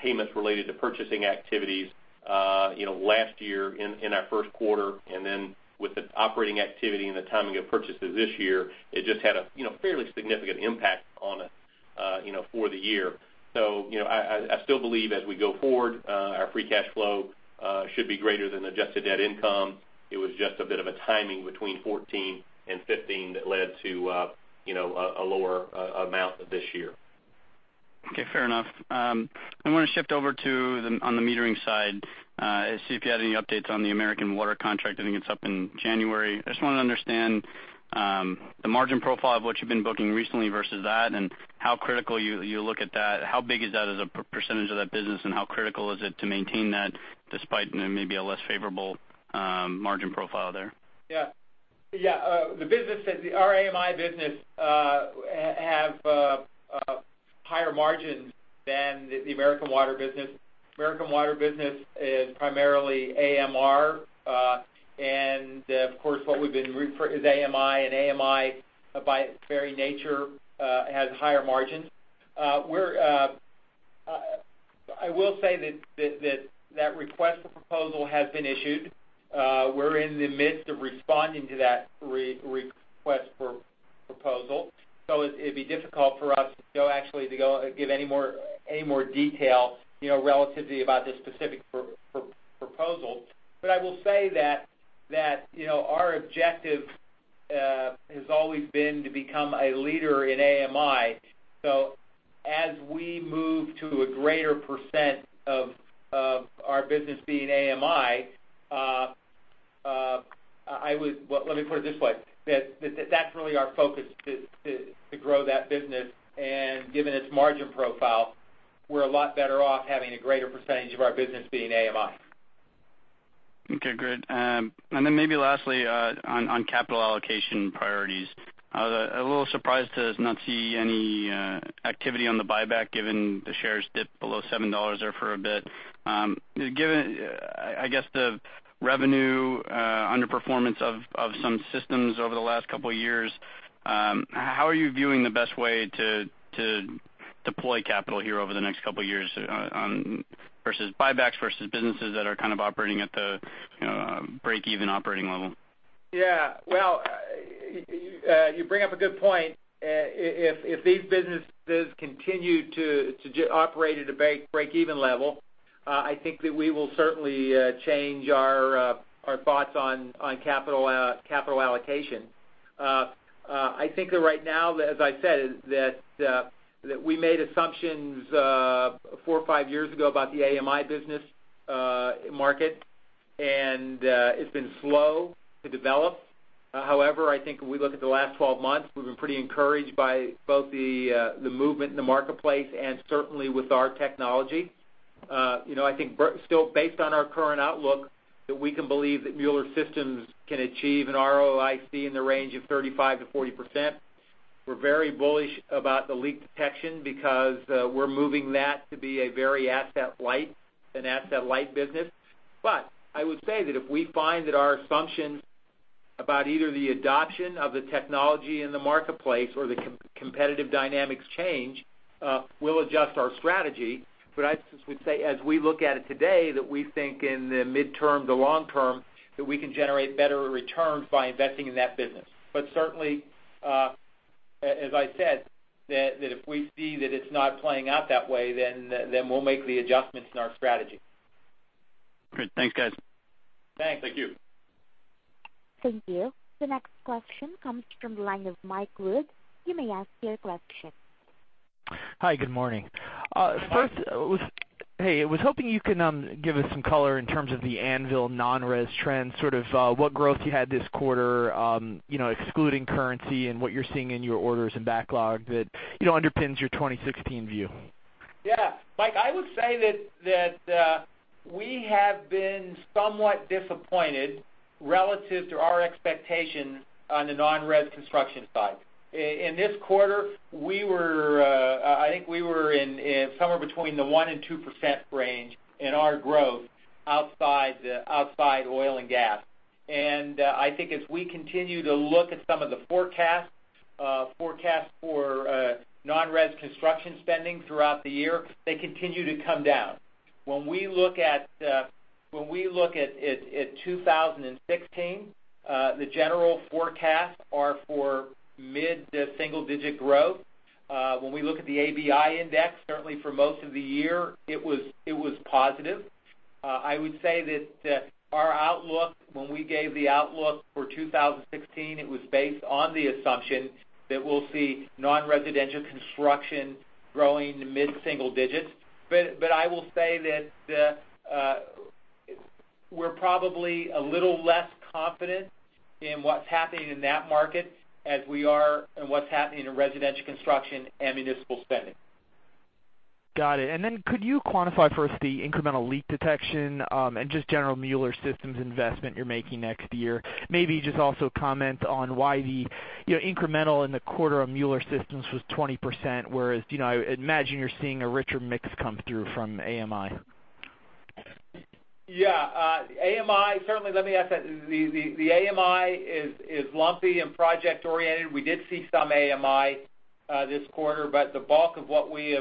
payments related to purchasing activities last year in our first quarter, and then with the operating activity and the timing of purchases this year, it just had a fairly significant impact on it for the year. I still believe as we go forward, our free cash flow should be greater than adjusted EBITDA. It was just a bit of a timing between 2014 and 2015 that led to a lower amount this year. Okay, fair enough. I want to shift over to on the metering side, see if you had any updates on the American Water contract. I think it's up in January. I just want to understand the margin profile of what you've been booking recently versus that and how critical you look at that. How big is that as a percentage of that business, and how critical is it to maintain that despite maybe a less favorable margin profile there? Yeah. The business, the AMI business, Higher margins than the American Water business. American Water business is primarily AMR, and of course, what we've been referring is AMI, and AMI by its very nature, has higher margins. I will say that that request for proposal has been issued. We're in the midst of responding to that request for proposal. It'd be difficult for us to go actually give any more detail, relatively about this specific proposal. I will say that our objective has always been to become a leader in AMI. As we move to a greater percent of our business being AMI, let me put it this way, that's really our focus to grow that business, and given its margin profile, we're a lot better off having a greater percentage of our business being AMI. Okay, great. Then maybe lastly, on capital allocation priorities. I was a little surprised to not see any activity on the buyback, given the shares dipped below $7 there for a bit. Given, I guess, the revenue underperformance of some systems over the last couple of years, how are you viewing the best way to deploy capital here over the next couple of years versus buybacks, versus businesses that are kind of operating at the break-even operating level? Yeah. Well, you bring up a good point. If these businesses continue to operate at a break-even level, I think that we will certainly change our thoughts on capital allocation. I think that right now, as I said, that we made assumptions four or five years ago about the AMI business market, and it's been slow to develop. However, I think we look at the last 12 months, we've been pretty encouraged by both the movement in the marketplace and certainly with our technology. I think still based on our current outlook, that we can believe that Mueller Systems can achieve an ROIC in the range of 35%-40%. We're very bullish about the leak detection because we're moving that to be an asset-light business. I would say that if we find that our assumptions about either the adoption of the technology in the marketplace or the competitive dynamics change, we'll adjust our strategy. I would say, as we look at it today, that we think in the midterm to long term, that we can generate better returns by investing in that business. Certainly, as I said, that if we see that it's not playing out that way, then we'll make the adjustments in our strategy. Great. Thanks, guys. Thanks. Thank you. Thank you. The next question comes from the line of Michael Wood. You may ask your question. Hi, good morning. Hi. Hey, I was hoping you can give us some color in terms of the Anvil non-res trend, sort of what growth you had this quarter, excluding currency and what you're seeing in your orders and backlog that underpins your 2016 view. Yeah, Mike, I would say that we have been somewhat disappointed relative to our expectations on the non-res construction side. In this quarter, I think we were in somewhere between the 1% and 2% range in our growth outside oil and gas. I think as we continue to look at some of the forecasts for non-res construction spending throughout the year, they continue to come down. When we look at 2016, the general forecasts are for mid to single-digit growth. When we look at the ABI index, certainly for most of the year, it was positive. I would say that our outlook, when we gave the outlook for 2016, it was based on the assumption that we'll see non-residential construction growing mid-single digits. I will say that we're probably a little less confident in what's happening in that market, as we are in what's happening in residential construction and municipal spending. Got it. Then could you quantify for us the incremental leak detection, and just general Mueller Systems investment you're making next year? Maybe just also comment on why the incremental in the quarter of Mueller Systems was 20%, whereas, I imagine you're seeing a richer mix come through from AMI. Yeah. Certainly, let me ask that the AMI is lumpy and project-oriented. We did see some AMI this quarter, but the bulk of what we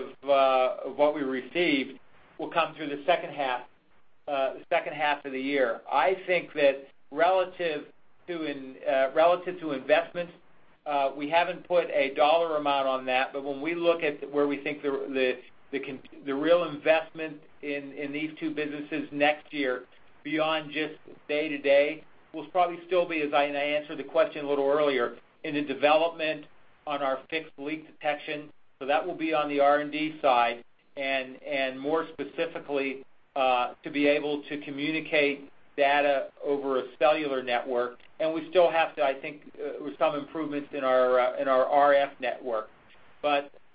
received will come through the second half of the year. I think that relative to investments, we haven't put a dollar amount on that, but when we look at where we think the real investment in these two businesses next year, beyond just day to day, will probably still be, as I answered the question a little earlier, in the development on our fixed leak detection. That will be on the R&D side, and more specifically, to be able to communicate data over a cellular network. We still have to, I think, some improvements in our RF network.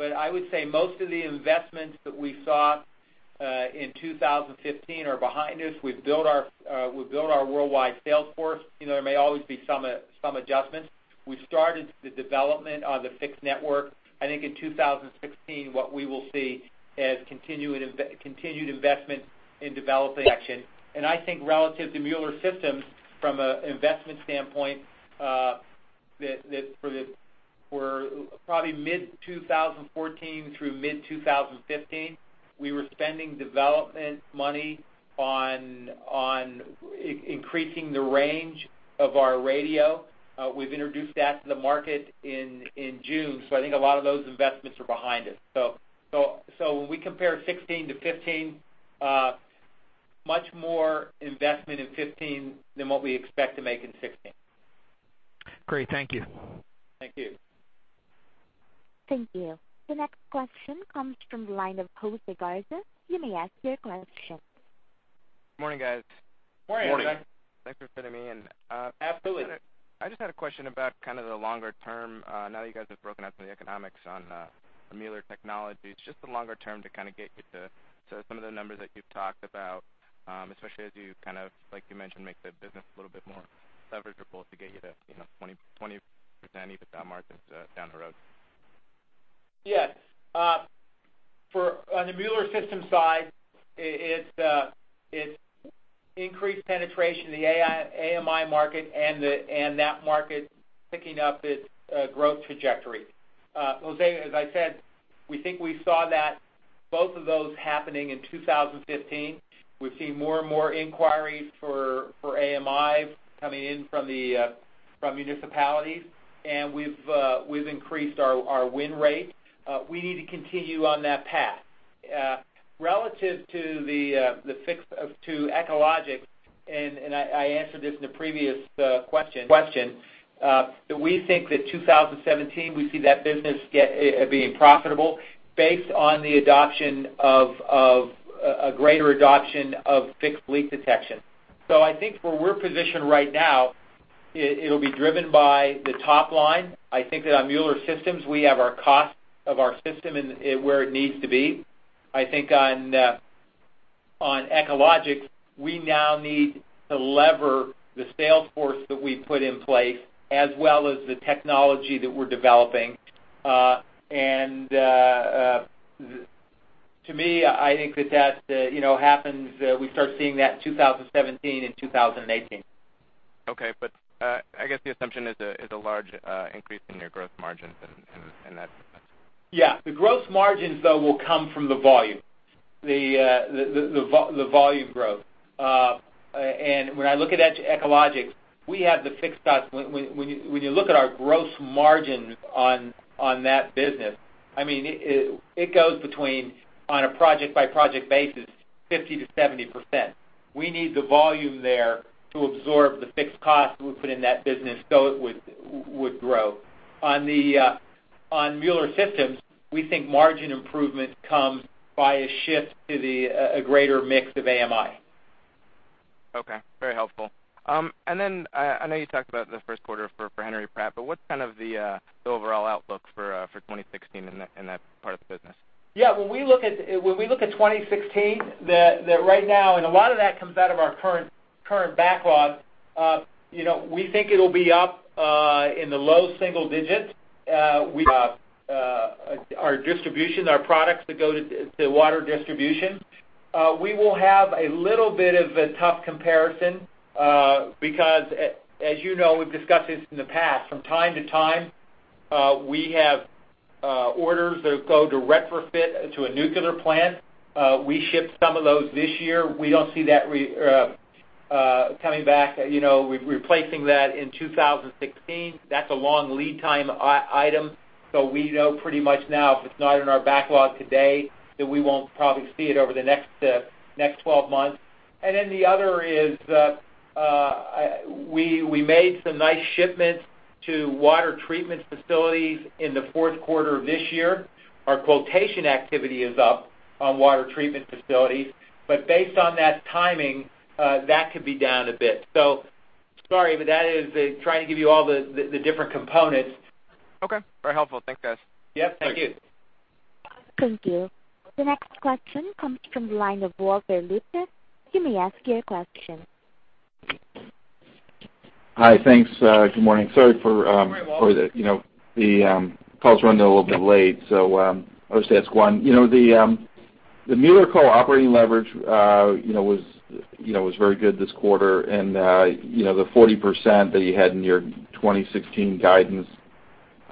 I would say most of the investments that we saw in 2015 are behind us. We've built our worldwide sales force. There may always be some adjustments. We've started the development on the fixed network. I think in 2016, what we will see is continued investment in development action. I think relative to Mueller Systems, from an investment standpoint, for probably mid-2014 through mid-2015, we were spending development money on increasing the range of our radio. We've introduced that to the market in June. I think a lot of those investments are behind us. When we compare 2016 to 2015, much more investment in 2015 than what we expect to make in 2016. Great. Thank you. Thank you. Thank you. The next question comes from the line of Jose Garza. You may ask your question. Morning, guys. Morning. Morning. Thanks for fitting me in. Absolutely. I just had a question about the longer term. Now that you guys have broken out some of the economics on Mueller Technologies, just the longer term to get you to some of the numbers that you've talked about, especially as you, like you mentioned, make the business a little bit more leverageable to get you to 20% EBITDA margins down the road. Yes. On the Mueller Systems side, it's increased penetration in the AMI market and that market picking up its growth trajectory. Jose, as I said, we think we saw both of those happening in 2015. We've seen more and more inquiries for AMI coming in from municipalities, and we've increased our win rate. We need to continue on that path. Relative to Echologics, and I answered this in a previous question, that we think that 2017, we see that business being profitable based on a greater adoption of fixed leak detection. I think where we're positioned right now, it'll be driven by the top line. I think that on Mueller Systems, we have our cost of our system where it needs to be. I think on Echologics, we now need to lever the sales force that we've put in place, as well as the technology that we're developing. To me, I think that we start seeing that in 2017 and 2018. Okay. I guess the assumption is a large increase in your gross margins in that. Yeah. The gross margins, though, will come from the volume growth. When I look at Echologics, when you look at our gross margin on that business, it goes between, on a project-by-project basis, 50%-70%. We need the volume there to absorb the fixed cost we put in that business so it would grow. On Mueller Systems, we think margin improvement comes by a shift to a greater mix of AMI. Okay. Very helpful. I know you talked about the first quarter for Henry Pratt, but what's the overall outlook for 2016 in that part of the business? Yeah, when we look at 2016, right now, a lot of that comes out of our current backlog, we think it'll be up in the low single digits. Our distribution, our products that go to water distribution. We will have a little bit of a tough comparison because, as you know, we've discussed this in the past, from time to time, we have orders that go to retrofit to a nuclear plant. We shipped some of those this year. We don't see that coming back, replacing that in 2016. That's a long lead time item. We know pretty much now, if it's not in our backlog today, that we won't probably see it over the next 12 months. The other is we made some nice shipments to water treatment facilities in the fourth quarter of this year. Our quotation activity is up on water treatment facilities. Based on that timing, that could be down a bit. Sorry, that is trying to give you all the different components. Okay. Very helpful. Thanks, guys. Yeah. Thank you. Thank you. The next question comes from the line of Walter Luther. You may ask your question. Hi. Thanks. Good morning. Good morning, Walter. call's running a little bit late, so I'll just ask one. The Mueller Co. operating leverage was very good this quarter, and the 40% that you had in your 2016 guidance,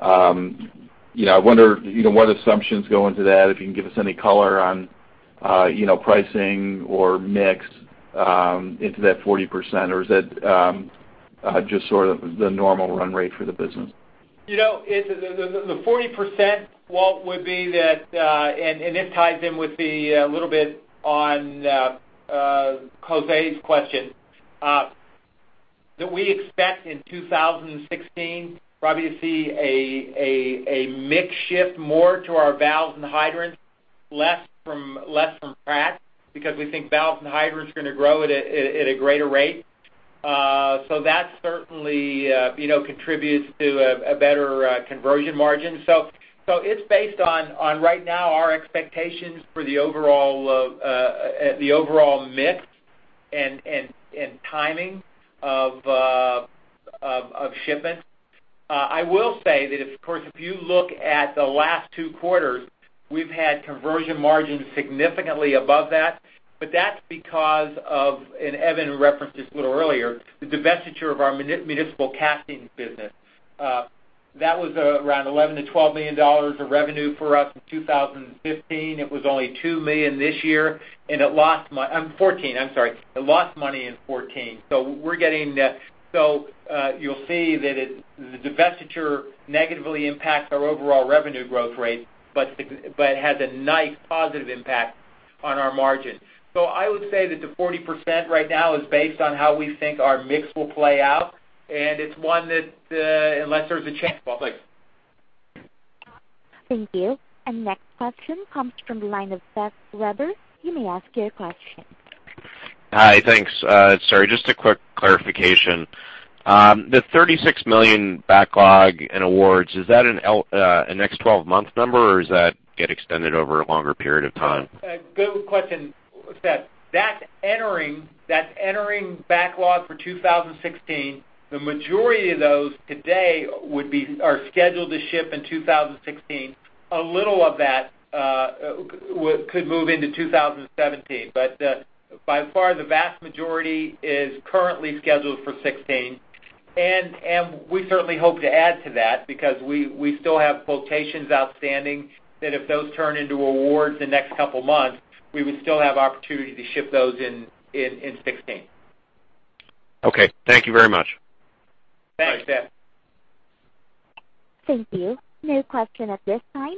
I wonder what assumptions go into that, if you can give us any color on pricing or mix into that 40%, or is that just sort of the normal run rate for the business? The 40%, Walt, would be that, this ties in with a little bit on Jose's question, that we expect in 2016 probably to see a mix shift more to our valves and hydrants, less from Pratt, because we think valves and hydrants are going to grow at a greater rate. That certainly contributes to a better conversion margin. It's based on right now our expectations for the overall mix and timing of shipments. I will say that of course, if you look at the last 2 quarters, we've had conversion margins significantly above that, but that's because of, Evan referenced this a little earlier, the divestiture of our municipal casting business. That was around $11 million-$12 million of revenue for us in 2015. It was only $2 million this year, and it lost money in 2014. You'll see that the divestiture negatively impacts our overall revenue growth rate, but it has a nice positive impact on our margin. I would say that the 40% right now is based on how we think our mix will play out, and it's one that, unless there's a change- Thank you. Next question comes from the line of Seth Weber. You may ask your question. Hi. Thanks. Sorry, just a quick clarification. The $36 million backlog in awards, is that a next 12-month number, or does that get extended over a longer period of time? Good question, Seth. That's entering backlog for 2016. The majority of those today are scheduled to ship in 2016. A little of that could move into 2017. By far, the vast majority is currently scheduled for '16. We certainly hope to add to that because we still have quotations outstanding that if those turn into awards the next couple of months, we would still have opportunity to ship those in '16. Okay. Thank you very much. Thanks, Seth. Thank you. No question at this time.